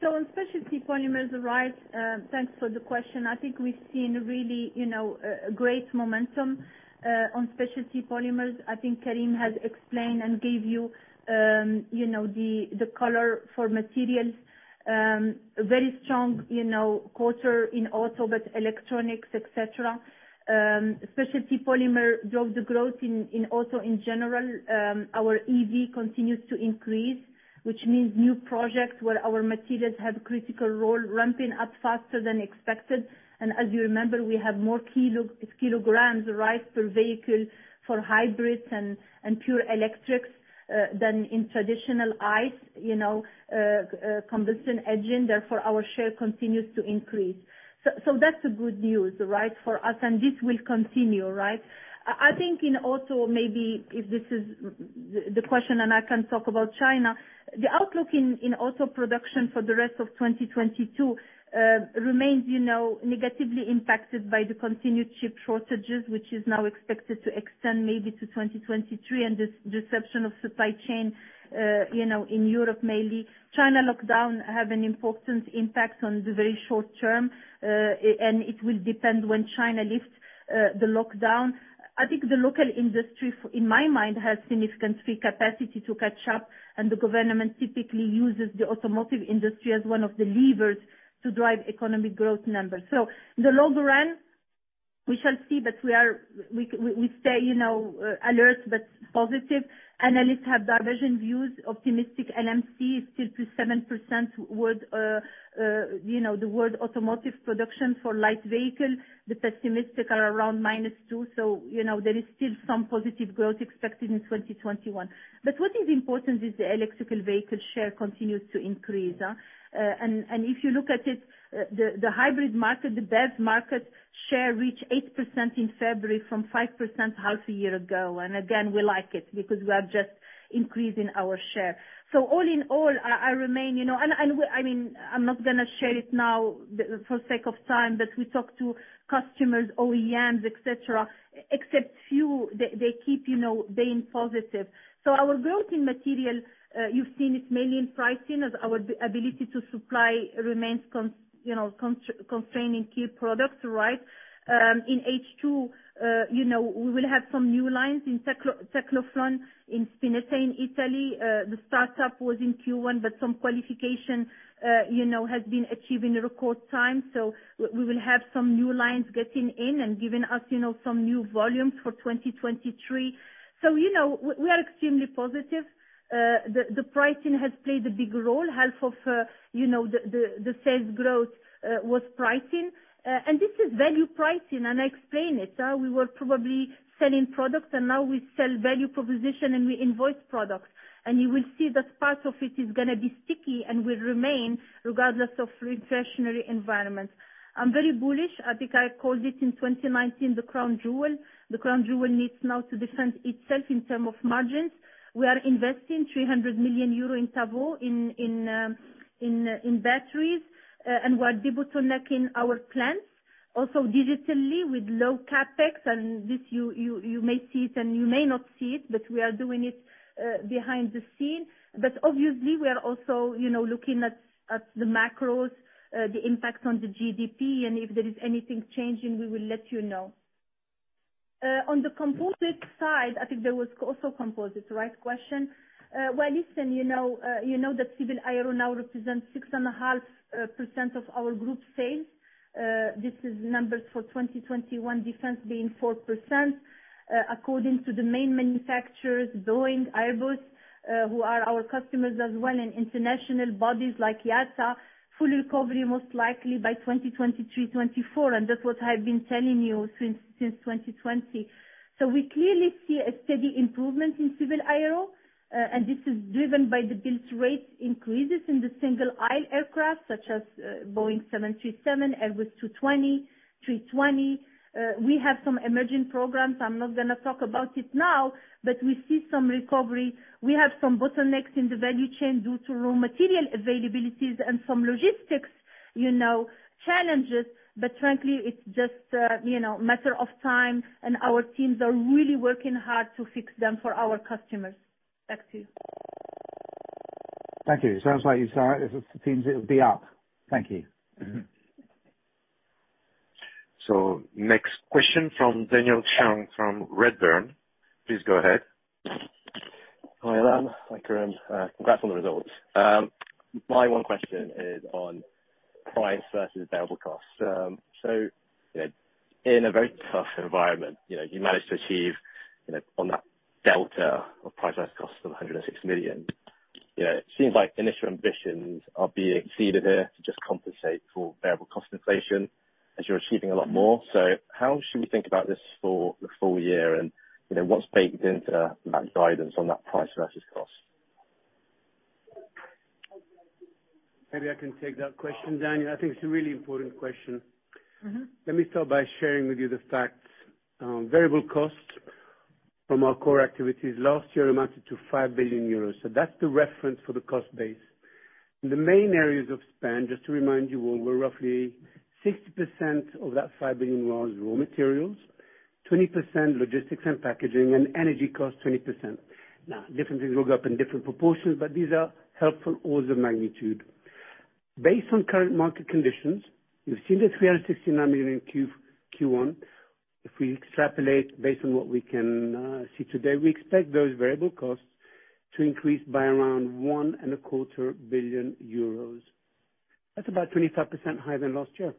On specialty polymers, right, thanks for the question. I think we've seen really, you know, a great momentum on specialty polymers. I think Karim has explained and gave you know, the color for materials. Very strong, you know, quarter in auto but electronics, etc. Specialty polymer drove the growth in auto in general. Our EV continues to increase, which means new projects where our materials have critical role ramping up faster than expected. As you remember, we have more kilograms, right, per vehicle for hybrids and pure electrics than in traditional ICE, you know, combustion engine, therefore our share continues to increase. That's the good news, right, for us, and this will continue, right? I think in auto, maybe if this is the question, and I can talk about China, the outlook in auto production for the rest of 2022 remains negatively impacted by the continued chip shortages, which is now expected to extend maybe to 2023, and this disruption of supply chain in Europe mainly. China lockdown have an important impact on the very short term. It will depend when China lifts the lockdown. I think the local industry in my mind has significant free capacity to catch up, and the government typically uses the automotive industry as one of the levers to drive economic growth numbers. In the long run, we shall see, but we stay, you know, alert but positive. Analysts have divergent views. Optimistic LMC is still 7% with, you know, the world automotive production for light vehicles. The pessimistic are around -2%, so, you know, there is still some positive growth expected in 2021. What is important is the electric vehicle share continues to increase, and if you look at it, the hybrid market, the BEV market share reached 8% in February from 5% half a year ago. Again, we like it because we are just increasing our share. All in all, I remain, you know. I mean, I'm not gonna share it now for sake of time, but we talk to customers, OEMs, et cetera. Except few, they keep, you know, being positive. Our growth in material, you've seen it mainly in pricing as our ability to supply remains, you know, constraining key products, right? In H2, you know, we will have some new lines in Tecnoflon, in Spinetta, in Italy. The startup was in Q1, but some qualification, you know, has been achieved in record time. We will have some new lines getting in and giving us, you know, some new volumes for 2023. You know, we are extremely positive. The pricing has played a big role. Half of, you know, the sales growth was pricing. And this is value pricing, and I explain it, we were probably selling products, and now we sell value proposition, and we invoice products. You will see that part of it is gonna be sticky and will remain regardless of inflationary environment. I'm very bullish. I think I called it in 2019 the crown jewel. The crown jewel needs now to defend itself in terms of margins. We are investing 300 million euro in soda batteries. We're debottlenecking our plants, also digitally with low CapEx. This, you may see it, and you may not see it, but we are doing it behind the scenes. Obviously, we are also looking at the macros, the impact on the GDP. If there is anything changing, we will let you know. On the composite side, I think there was also composites, right, question? Well, listen, you know that civil aero now represents 6.5% of our group sales. This is numbers for 2021, defense being 4%. According to the main manufacturers, Boeing, Airbus, who are our customers as well, and international bodies like IATA, full recovery most likely by 2023-2024, and that's what I've been telling you since 2020. We clearly see a steady improvement in civil aero, and this is driven by the build rate increases in the single-aisle aircraft, such as Boeing 737, Airbus A220, A320. We have some emerging programs. I'm not gonna talk about it now. We see some recovery. We have some bottlenecks in the value chain due to raw material availabilities and some logistics, you know, challenges. Frankly, it's just, you know, matter of time, and our teams are really working hard to fix them for our customers. Back to you. Thank you. Sounds like you saw it. It seems it'll be up. Thank you. Next question from Daniel Chung from Redburn. Please go ahead. Hi, Ilham. Hi, Karim. Congrats on the results. My one question is on price versus variable costs. You know, in a very tough environment, you know, you managed to achieve, you know, on that delta of price versus cost of 106 million. Yeah, it seems like initial ambitions are being exceeded here to just compensate for variable cost inflation as you're achieving a lot more. How should we think about this for the full year? You know, what's baked into that guidance on that price versus cost? Maybe I can take that question, Daniel. I think it's a really important question. Let me start by sharing with you the facts. Variable costs from our core activities last year amounted to 5 billion euros. That's the reference for the cost base. The main areas of spend, just to remind you all, were roughly 60% of that 5 billion was raw materials, 20% logistics and packaging, and energy costs, 20%. Now, different things will go up in different proportions, but these are helpful orders of magnitude. Based on current market conditions, you've seen the 369 million in Q1. If we extrapolate based on what we can see today, we expect those variable costs to increase by around 1.25 billion euros. That's about 25% higher than last year.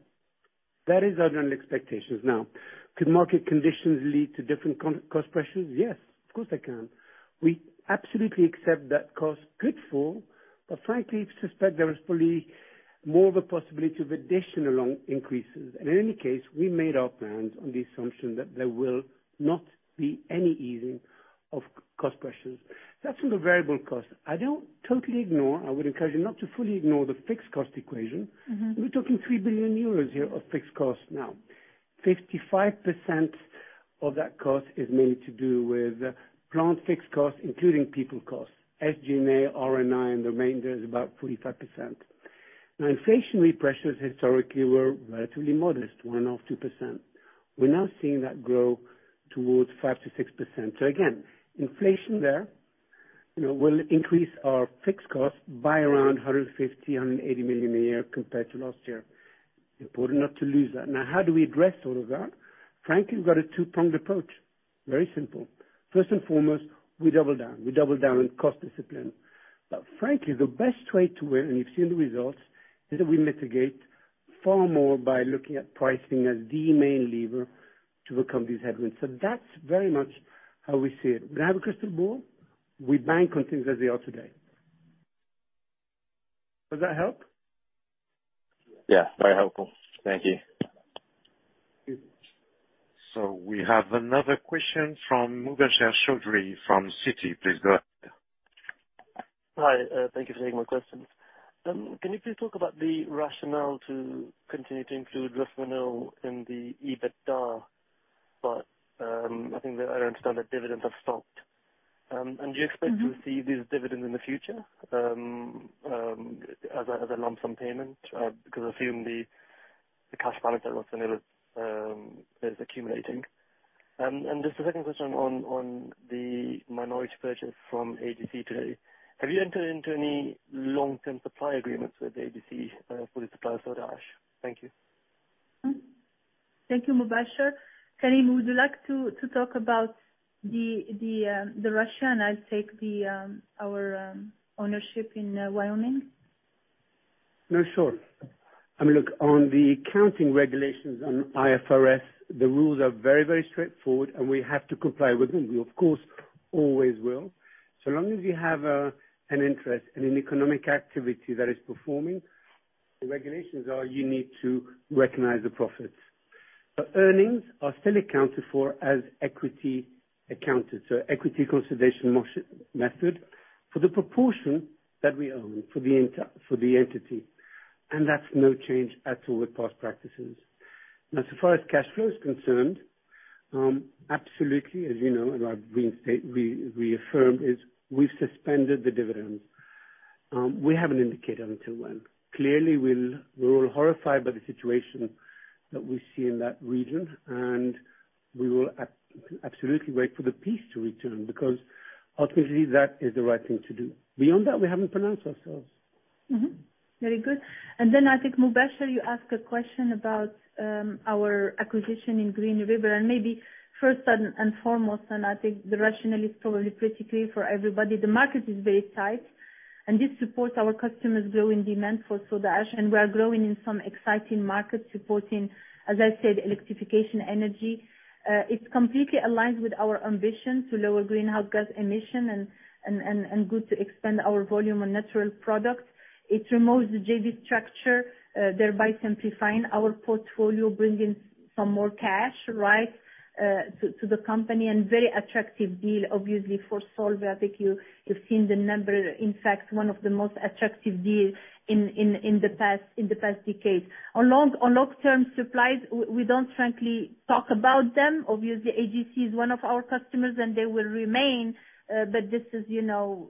That is under expectations. Now, could market conditions lead to different cost pressures? Yes, of course, they can. We absolutely accept that cost could fall, but frankly, suspect there is probably more of a possibility of additional increases. In any case, we made our plans on the assumption that there will not be any easing of cost pressures. That's on the variable cost. I don't totally ignore. I would encourage you not to fully ignore the fixed cost equation. We're talking 3 billion euros here of fixed costs now. 55% of that cost is mainly to do with plant fixed costs, including people costs. SG&A, R&I, and the remainder is about 45%. Now, inflation pressures historically were relatively modest, 1%-2%. We're now seeing that grow towards 5%-6%. Again, inflation there, you know, will increase our fixed cost by around 150 million-180 million a year compared to last year. Important not to lose that. Now, how do we address all of that? Frankly, we've got a two-pronged approach. Very simple. First and foremost, we double down. We double down on cost discipline. Frankly, the best way to win, and you've seen the results, is that we mitigate far more by looking at pricing as the main lever to overcome these headwinds. That's very much how we see it. We don't have a crystal ball. We bank on things as they are today. Does that help? Yeah, very helpful. Thank you. We have another question from Mubasher Chaudhry from Citi. Please go ahead. Hi, thank you for taking my questions. Can you please talk about the rationale to continue to include RusVinyl in the EBITDA? I think that I understand that dividends have stopped. Do you expect to receive these dividends in the future, as a lump sum payment? Because I assume the cash balance at RusVinyl is accumulating. Just the second question on the minority purchase from AGC today. Have you entered into any long-term supply agreements with AGC for the supply of the ash? Thank you. Thank you, Mubasher. Karim, would you like to talk about the rationale? I'll take our ownership in Wyoming. No, sure. I mean, look, on the accounting regulations on IFRS, the rules are very, very straightforward, and we have to comply with them. We, of course, always will. So long as you have an interest in an economic activity that is performing, the regulations are you need to recognize the profits. But earnings are still accounted for as equity accounted, so equity method for the proportion that we own for the entity. That's no change at all with past practices. Now, so far as cash flow is concerned, absolutely, as you know and I've reaffirmed, we've suspended the dividends. We haven't indicated until when. Clearly, we'll wait for the peace to return. We're all horrified by the situation that we see in that region, and we will absolutely wait for the peace to return, because ultimately, that is the right thing to do. Beyond that, we haven't pronounced ourselves. Very good. Then I think Mubasher, you asked a question about our acquisition in Green River. Maybe first and foremost, I think the rationale is probably pretty clear for everybody. The market is very tight, and this supports our customers' growing demand for soda ash, and we are growing in some exciting markets supporting, as I said, electrification energy. It's completely aligned with our ambition to lower greenhouse gas emission and good to expand our volume on natural products. It removes the JV structure, thereby simplifying our portfolio, bringing some more cash to the company, and very attractive deal, obviously, for Solvay. I think you've seen the number. In fact, one of the most attractive deals in the past decade. On long-term supplies, we don't frankly talk about them. Obviously, AGC is one of our customers, and they will remain, but this is, you know,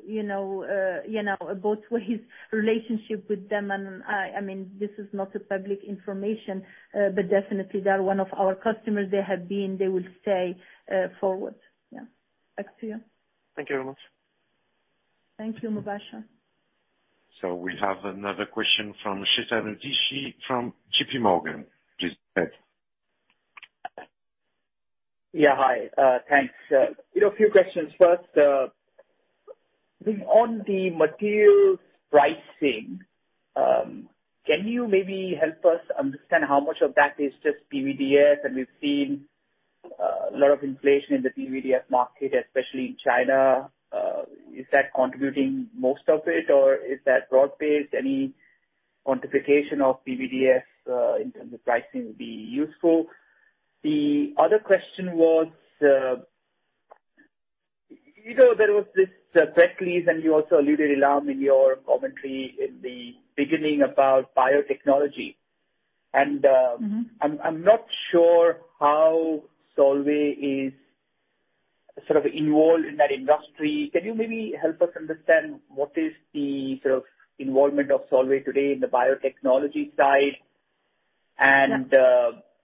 a both ways relationship with them. I mean, this is not a public information, but definitely they are one of our customers. They have been, they will stay forward. Yeah. Back to you. Thank you very much. Thank you, Mubasher Chaudhry. We have another question from Chetan Udeshi from JPMorgan. Please go ahead. Yeah, hi. Thanks. You know, a few questions. First, on the materials pricing, can you maybe help us understand how much of that is just PVDF? And we've seen a lot of inflation in the PVDF market, especially in China. Is that contributing most of it, or is that broad-based? Any quantification of PVDF in terms of pricing would be useful. The other question was, you know, there was this press release, and you also alluded, Ilham, in your commentary in the beginning about biotechnology. And I'm not sure how Solvay is sort of involved in that industry. Can you maybe help us understand what is the sort of involvement of Solvay today in the biotechnology side and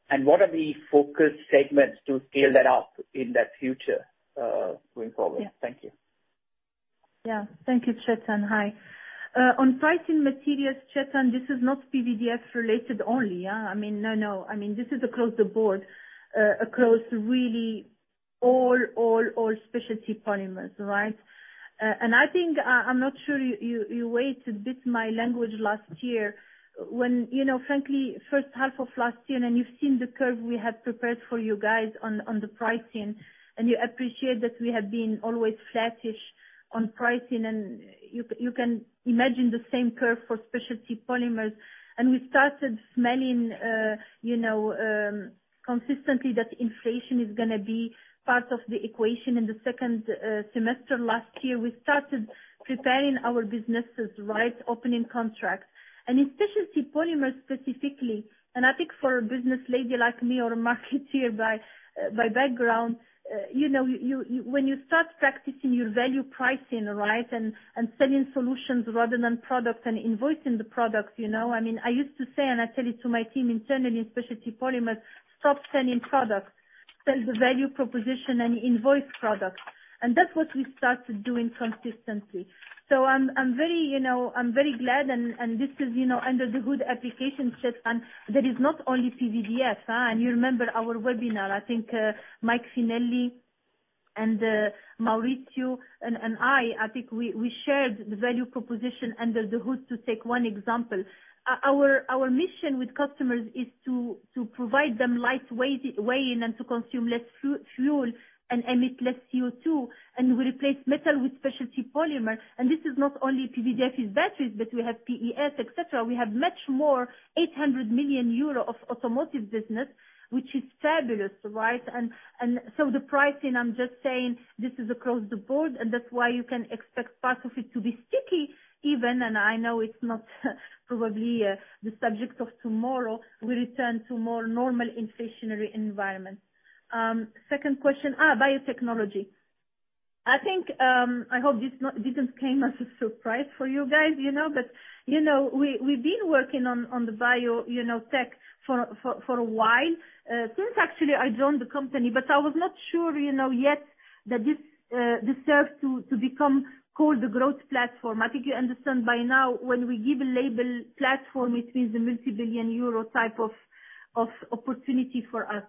and what are the focus segments to scale that up in the future, going forward? Yeah. Thank you. Yeah. Thank you, Chetan. Hi. On pricing materials, Chetan, this is not PVDF-related only, yeah. I mean, no. I mean, this is across the board, across really all specialty polymers, right? I think, I'm not sure you weighed a bit my language last year when, you know, frankly, first half of last year and you've seen the curve we have prepared for you guys on the pricing. You can imagine the same curve for specialty polymers. We started smelling, you know, consistently that inflation is gonna be part of the equation. In the second semester last year, we started preparing our businesses, right, opening contracts. In specialty polymers specifically, I think for a business lady like me or a marketer by background, you know, you when you start practicing your value pricing, right, and selling solutions rather than products and invoicing the products, you know. I mean, I used to say, and I tell it to my team internally in specialty polymers, "Stop selling products. Sell the value proposition and invoice products." That's what we started doing consistently. I'm very, you know, I'm very glad and this is, you know, under the hood application set, and that is not only PVDF. You remember our webinar, I think, Mike Finelli and Maurizio and I think we shared the value proposition under the hood, to take one example. Our mission with customers is to provide them lightweight weight and to consume less fuel and emit less CO2, and we replace metal with specialty polymer. This is not only PVDF in batteries, but we have PES, et cetera. We have much more, 800 million euro of automotive business, which is fabulous, right? The pricing, I'm just saying this is across the board, and that's why you can expect part of it to be sticky even. I know it's not probably the subject of tomorrow. We return to more normal inflationary environment. Second question. Biotechnology. I think I hope this not didn't came as a surprise for you guys, you know. You know, we've been working on the bio, you know, tech for a while, since actually I joined the company. I was not sure, you know, yet that this deserves to become called the growth platform. I think you understand by now when we give a label platform, it means a multi-billion euro type of opportunity for us.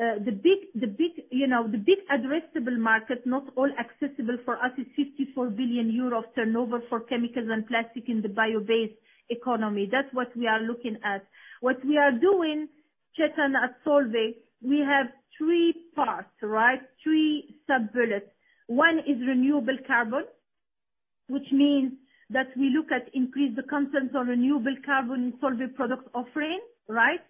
The big, the big, you know, the big addressable market, not all accessible for us, is 54 billion euro of turnover for chemicals and plastic in the bio-based economy. That's what we are looking at. What we are doing, Chetan, at Solvay, we have three parts, right? Three sub-bullets. One is renewable carbon, which means that we look at increase the content on renewable carbon Solvay product offering, right?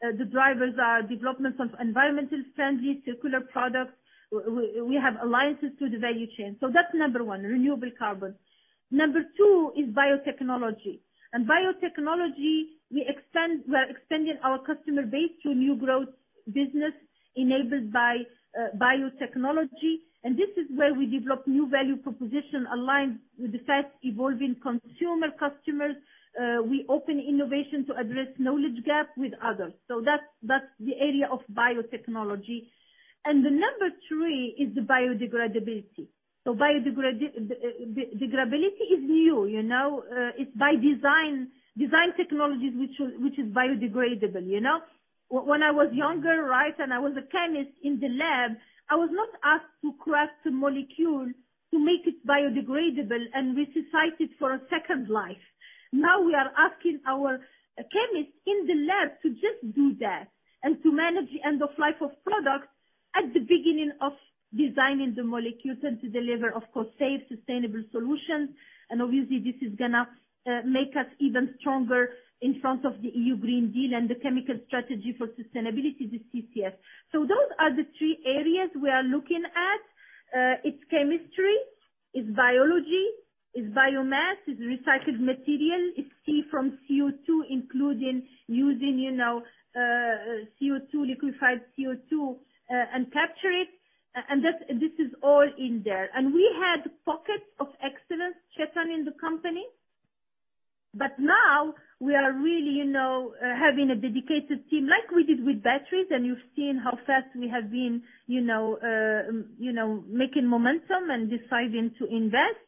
The drivers are developments of environmentally friendly circular products. We have alliances through the value chain. So that's number one, renewable carbon. Number two is biotechnology. Biotechnology, we extend. We're extending our customer base to new growth business enabled by biotechnology. This is where we develop new value proposition aligned with the fast evolving consumer customers. We open innovation to address knowledge gap with others. That's the area of biotechnology. The number three is the biodegradability. Biodegradability is new, you know. It's by design technologies which is biodegradable, you know. When I was younger, right, and I was a chemist in the lab, I was not asked to craft a molecule to make it biodegradable, and we recycle it for a second life. Now, we are asking our chemists in the lab to just do that and to manage the end of life of products at the beginning of designing the molecules and to deliver, of course, safe, sustainable solutions. Obviously, this is gonna make us even stronger in front of the European Green Deal and the Chemicals Strategy for Sustainability, the CCS. Those are the three areas we are looking at. It's chemistry, it's biology, it's biomass, it's recycled material. It's CCS from CO2, including using, you know, CO2, liquefied CO2, and capture it. And that's, this is all in there. We had pockets of excellence, Chetan, in the company. Now we are really, you know, having a dedicated team like we did with batteries, and you've seen how fast we have been, you know, making momentum and deciding to invest.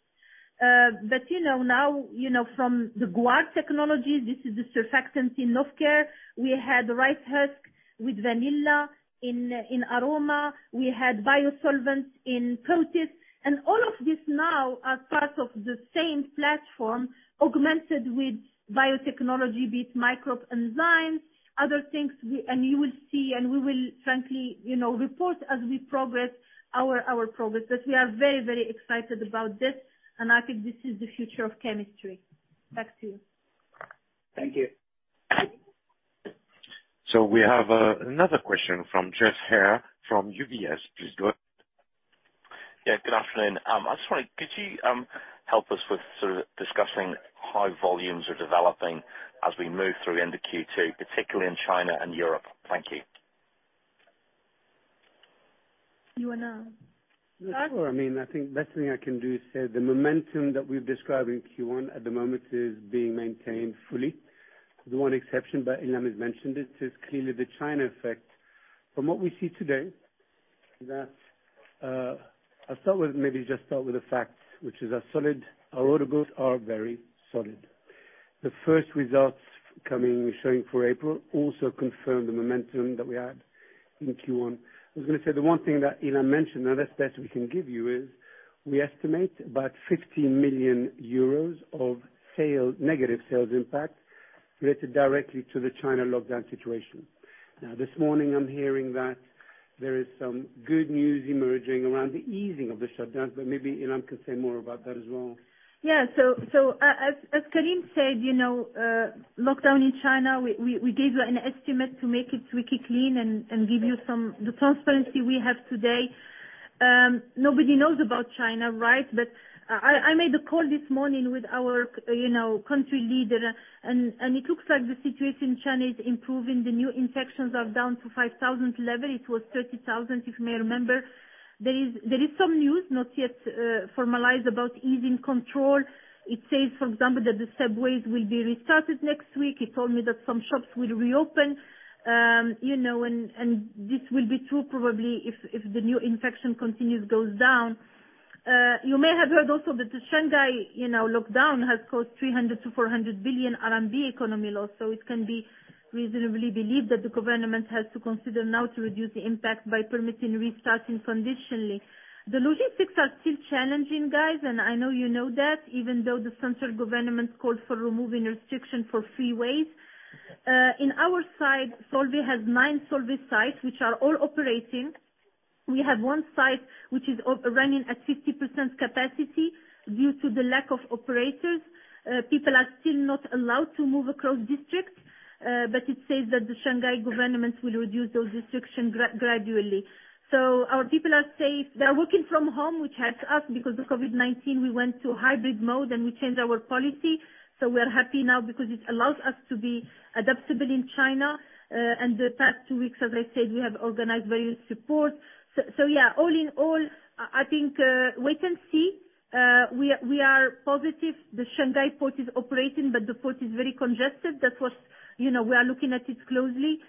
But you know, now, you know, from the guar technologies, this is the surfactants in Novecare. We had rice husk with vanilla in aroma. We had biosolvents in Coatis. All of this now are part of the same platform, augmented with biotechnology, be it microbe, enzymes, other things. You will see, and we will frankly, you know, report as we progress our progress. We are very, very excited about this, and I think this is the future of chemistry. Back to you. Thank you. We have another question from Geoff Haire from UBS. Please go ahead. Yeah, good afternoon. I was wondering, could you help us with sort of discussing how volumes are developing as we move through into Q2, particularly in China and Europe? Thank you. You wanna- Sure. I mean, I think best thing I can do is say the momentum that we've described in Q1 at the moment is being maintained fully. The one exception, but Ilham has mentioned it, is clearly the China effect. From what we see today is that, I'll start with, maybe just start with the facts. Our order books are very solid. The first results coming, showing for April, also confirm the momentum that we had in Q1. I was gonna say the one thing that Ilham mentioned, now the best we can give you is, we estimate about 50 million euros of sales, negative sales impact related directly to the China lockdown situation. Now this morning I'm hearing that there is some good news emerging around the easing of the shutdowns, but maybe Ilham can say more about that as well. As Karim said, you know, lockdown in China, we gave an estimate to make it really clean and give you some, the transparency we have today. Nobody knows about China, right? I made a call this morning with our country leader, you know, and it looks like the situation in China is improving. The new infections are down to 5,000 level. It was 30,000, if you may remember. There is some news, not yet formalized about easing control. It says, for example, that the subways will be restarted next week. He told me that some shops will reopen. You know, and this will be true probably if the new infection continues goes down. You may have heard also that the Shanghai lockdown has caused 300 billion-400 billion RMB economy loss. It can be reasonably believed that the government has to consider now to reduce the impact by permitting restarting conditionally. The logistics are still challenging, guys, and I know you know that, even though the central government called for removing restriction for freeways. On our side, Solvay has nine Solvay sites which are all operating. We have one site which is running at 50% capacity due to the lack of operators. People are still not allowed to move across districts, but it says that the Shanghai government will reduce those restrictions gradually. Our people are safe. They are working from home, which helps us because of COVID-19, we went to hybrid mode and we changed our policy. We are happy now because it allows us to be adaptable in China. The past two weeks, as I said, we have organized various support. All in all, I think wait and see. We are positive. The Shanghai port is operating, but the port is very congested. You know, we are looking at it closely.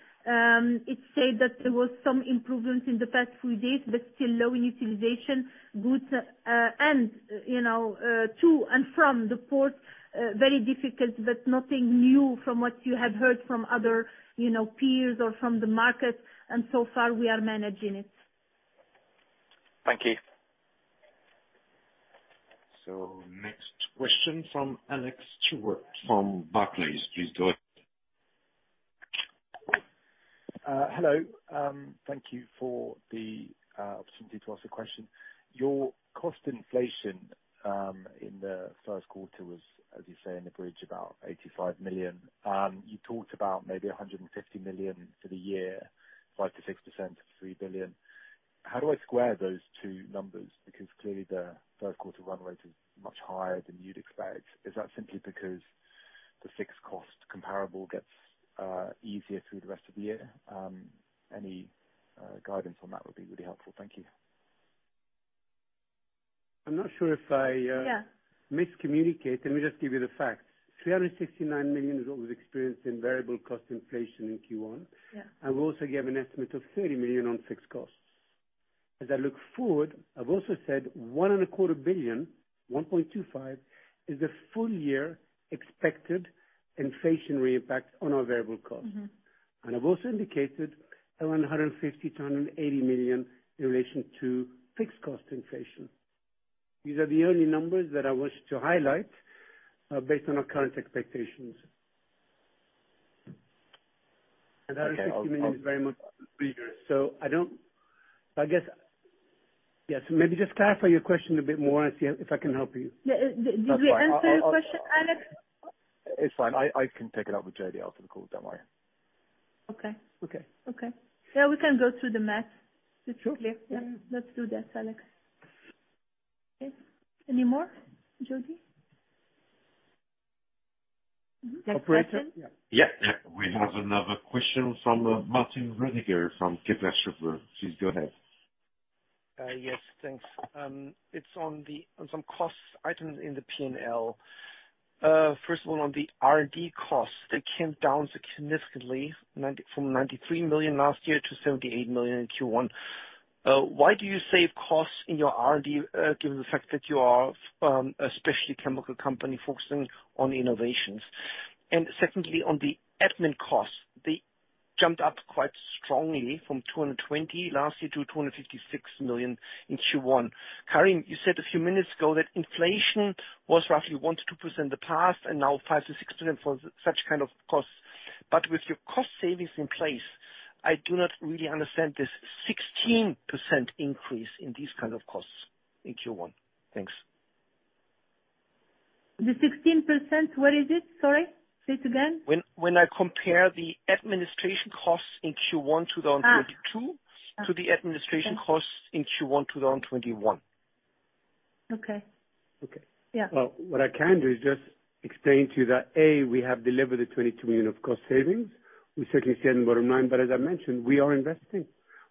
It said that there was some improvements in the past few days, but still low in utilization. Goods and, you know, to and from the port very difficult, but nothing new from what you have heard from other, you know, peers or from the market. So far we are managing it. Thank you. Next question from Alex Stewart from Barclays. Please go ahead. Hello. Thank you for the opportunity to ask a question. Your cost inflation in the first quarter was, as you say, in the bridge, about 85 million. You talked about maybe 150 million for the year, 5%-6% of 3 billion. How do I square those two numbers? Because clearly the first quarter run rate is much higher than you'd expect. Is that simply because the fixed cost comparable gets easier through the rest of the year? Any guidance on that would be really helpful. Thank you. I'm not sure if I, Yeah. Miscommunicated. Let me just give you the facts. 369 million is what we've experienced in variable cost inflation in Q1. Yeah. I will also give an estimate of 30 million on fixed costs. As I look forward, I've also said 1.25 billion, 1.25, is the full year expected inflationary impact on our variable costs. I've also indicated around 150 million-180 million in relation to fixed cost inflation. These are the only numbers that I want to highlight, based on our current expectations. Okay, I'll... That is very much bigger. I don't. I guess. Yes, maybe just clarify your question a bit more and see if I can help you. Yeah. Did we answer your question, Alex? It's fine. I can take it up with Jodi after the call. Don't worry. Okay. Okay. Okay. Yeah, we can go through the math specifically. Yeah. Let's do that, Alex. Okay. Any more, Jody? Operator? Next question. Yeah. We have another question from Martin Rödiger from Kepler Cheuvreux. Please go ahead. Yes. Thanks. It's on some cost items in the P&L. First of all, on the R&D costs, they came down significantly, from 93 million last year to 78 million in Q1. Why do you save costs in your R&D, given the fact that you are a specialty chemical company focusing on innovations? Secondly, on the admin costs, they jumped up quite strongly from 220 million last year to 256 million in Q1. Karim, you said a few minutes ago that inflation was roughly 1%-2% in the past and now 5%-6% for such kind of costs. But with your cost savings in place, I do not really understand this 16% increase in these kind of costs in Q1. Thanks. The 16%, what is it? Sorry. Say it again. When I compare the administration costs in Q1 2022. Ah. To the administration costs in Q1, 2021. Okay. Okay. Yeah. Well, what I can do is just explain to you that, A, we have delivered 22 million of cost savings. We certainly see it in bottom line. As I mentioned, we are investing.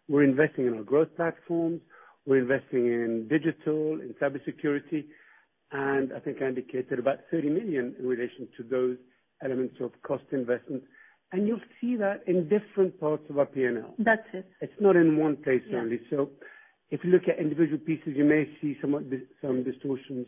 We're investing in our growth platforms. We're investing in digital, in cybersecurity, and I think I indicated about 30 million in relation to those elements of cost investment. You'll see that in different parts of our P&L. That's it. It's not in one place only. Yeah. If you look at individual pieces, you may see somewhat some distortions.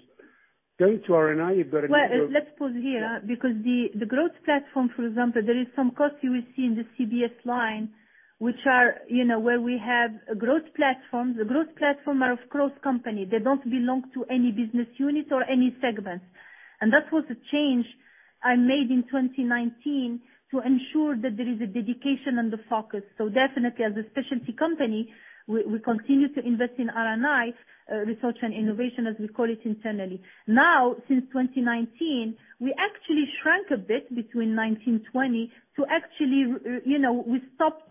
Going to R&I, you've got to know- Well, let's pause here because the growth platform, for example, there are some costs you will see in the CBS line, which are, you know, where we have a growth platform. The growth platform are cross-company. They don't belong to any business unit or any segment. That was a change I made in 2019 to ensure that there is a dedication and the focus. Definitely, as a specialty company, we continue to invest in R&I, research and innovation, as we call it internally. Now, since 2019, we actually shrank a bit between 2019-2020, actually, you know, we stopped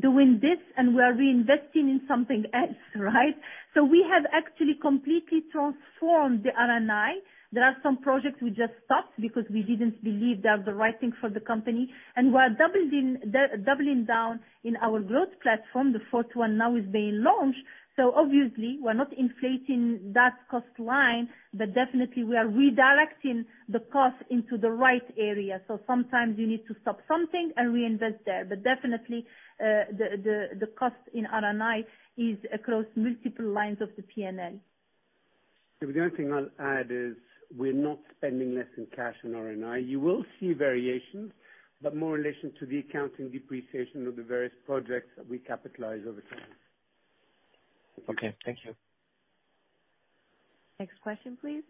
doing this and we are reinvesting in something else, right? We have actually completely transformed the R&I. There are some projects we just stopped because we didn't believe they are the right thing for the company. We're doubling down in our growth platform. The fourth one now is being launched. Obviously we're not inflating that cost line, but definitely we are redirecting the cost into the right area. Sometimes you need to stop something and reinvest there. Definitely, the cost in R&I is across multiple lines of the P&L. The only thing I'll add is we're not spending less in cash in R&I. You will see variations, but more in relation to the accounting depreciation of the various projects that we capitalize over time. Okay, thank you. Next question, please.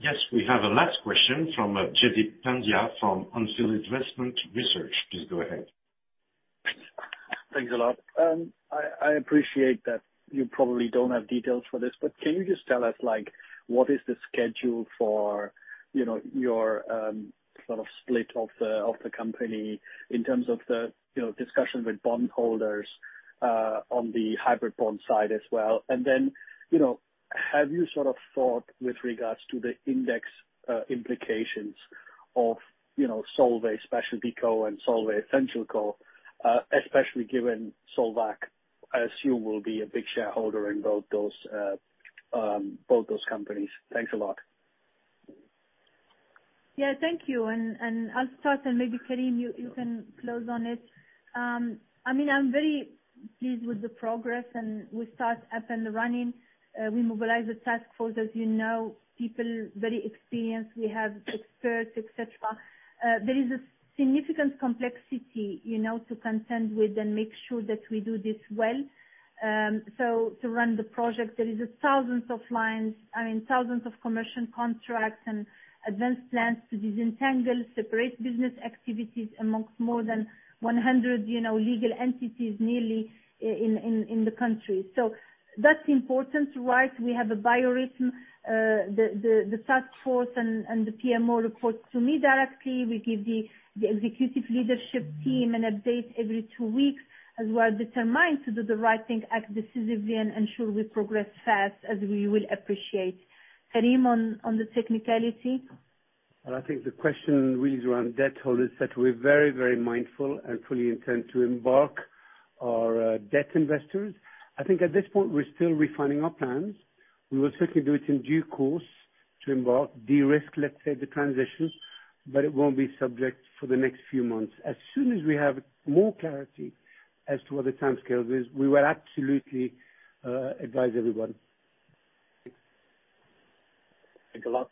Yes, we have a last question from, Jaideep Pandya from On Field Investment Research. Please go ahead. Thanks a lot. I appreciate that you probably don't have details for this, but can you just tell us, like, what is the schedule for, you know, your sort of split of the company in terms of the, you know, discussion with bondholders on the hybrid bond side as well? Then, you know, have you sort of thought with regards to the index implications of, you know, SpecialtyCo and EssentialCo, especially given Solvac, I assume, will be a big shareholder in both those companies? Thanks a lot. Yeah, thank you. I'll start and maybe Karim, you can close on it. I mean, I'm very pleased with the progress and we're up and running. We mobilize the task force as you know, people, very experienced. We have experts, et cetera. There is a significant complexity, you know, to contend with and make sure that we do this well. To run the project, there are thousands of lines, I mean, thousands of commercial contracts and advanced plans to disentangle separate business activities among more than 100, you know, legal entities nearly in the country. That's important, right? We have a good rhythm, the task force and the PMO report to me directly. We give the executive leadership team an update every two weeks, as we are determined to do the right thing, act decisively, and ensure we progress fast as we will appreciate. Karim, on the technicality. Well, I think the question really is around debt holders that we're very, very mindful and fully intend to engage our debt investors. I think at this point we're still refining our plans. We will certainly do it in due course to engage, de-risk, let's say, the transitions, but it won't be subject for the next few months. As soon as we have more clarity as to what the timescale is, we will absolutely advise everyone. Thanks a lot.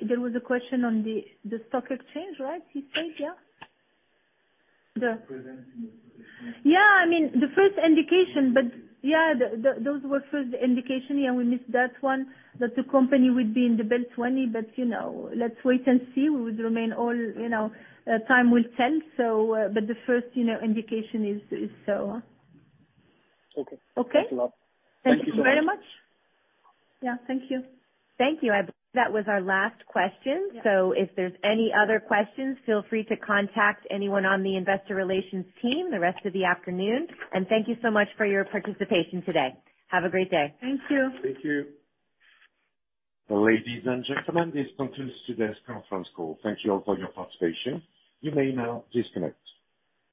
There was a question on the stock exchange, right? He said, yeah? Presenting the... Yeah, I mean, the first indication. Yeah, those were first indication. Yeah, we missed that one, that the company would be in the BEL 20, but, you know, let's wait and see. We would remain all, you know, time will tell. The first, you know, indication is so. Okay. Okay. Thanks a lot. Thank you very much. Thank you so much. Yeah, thank you. Thank you. I believe that was our last question. Yeah. If there's any other questions, feel free to contact anyone on the investor relations team the rest of the afternoon. Thank you so much for your participation today. Have a great day. Thank you. Thank you. Ladies and gentlemen, this concludes today's conference call. Thank you all for your participation. You may now disconnect.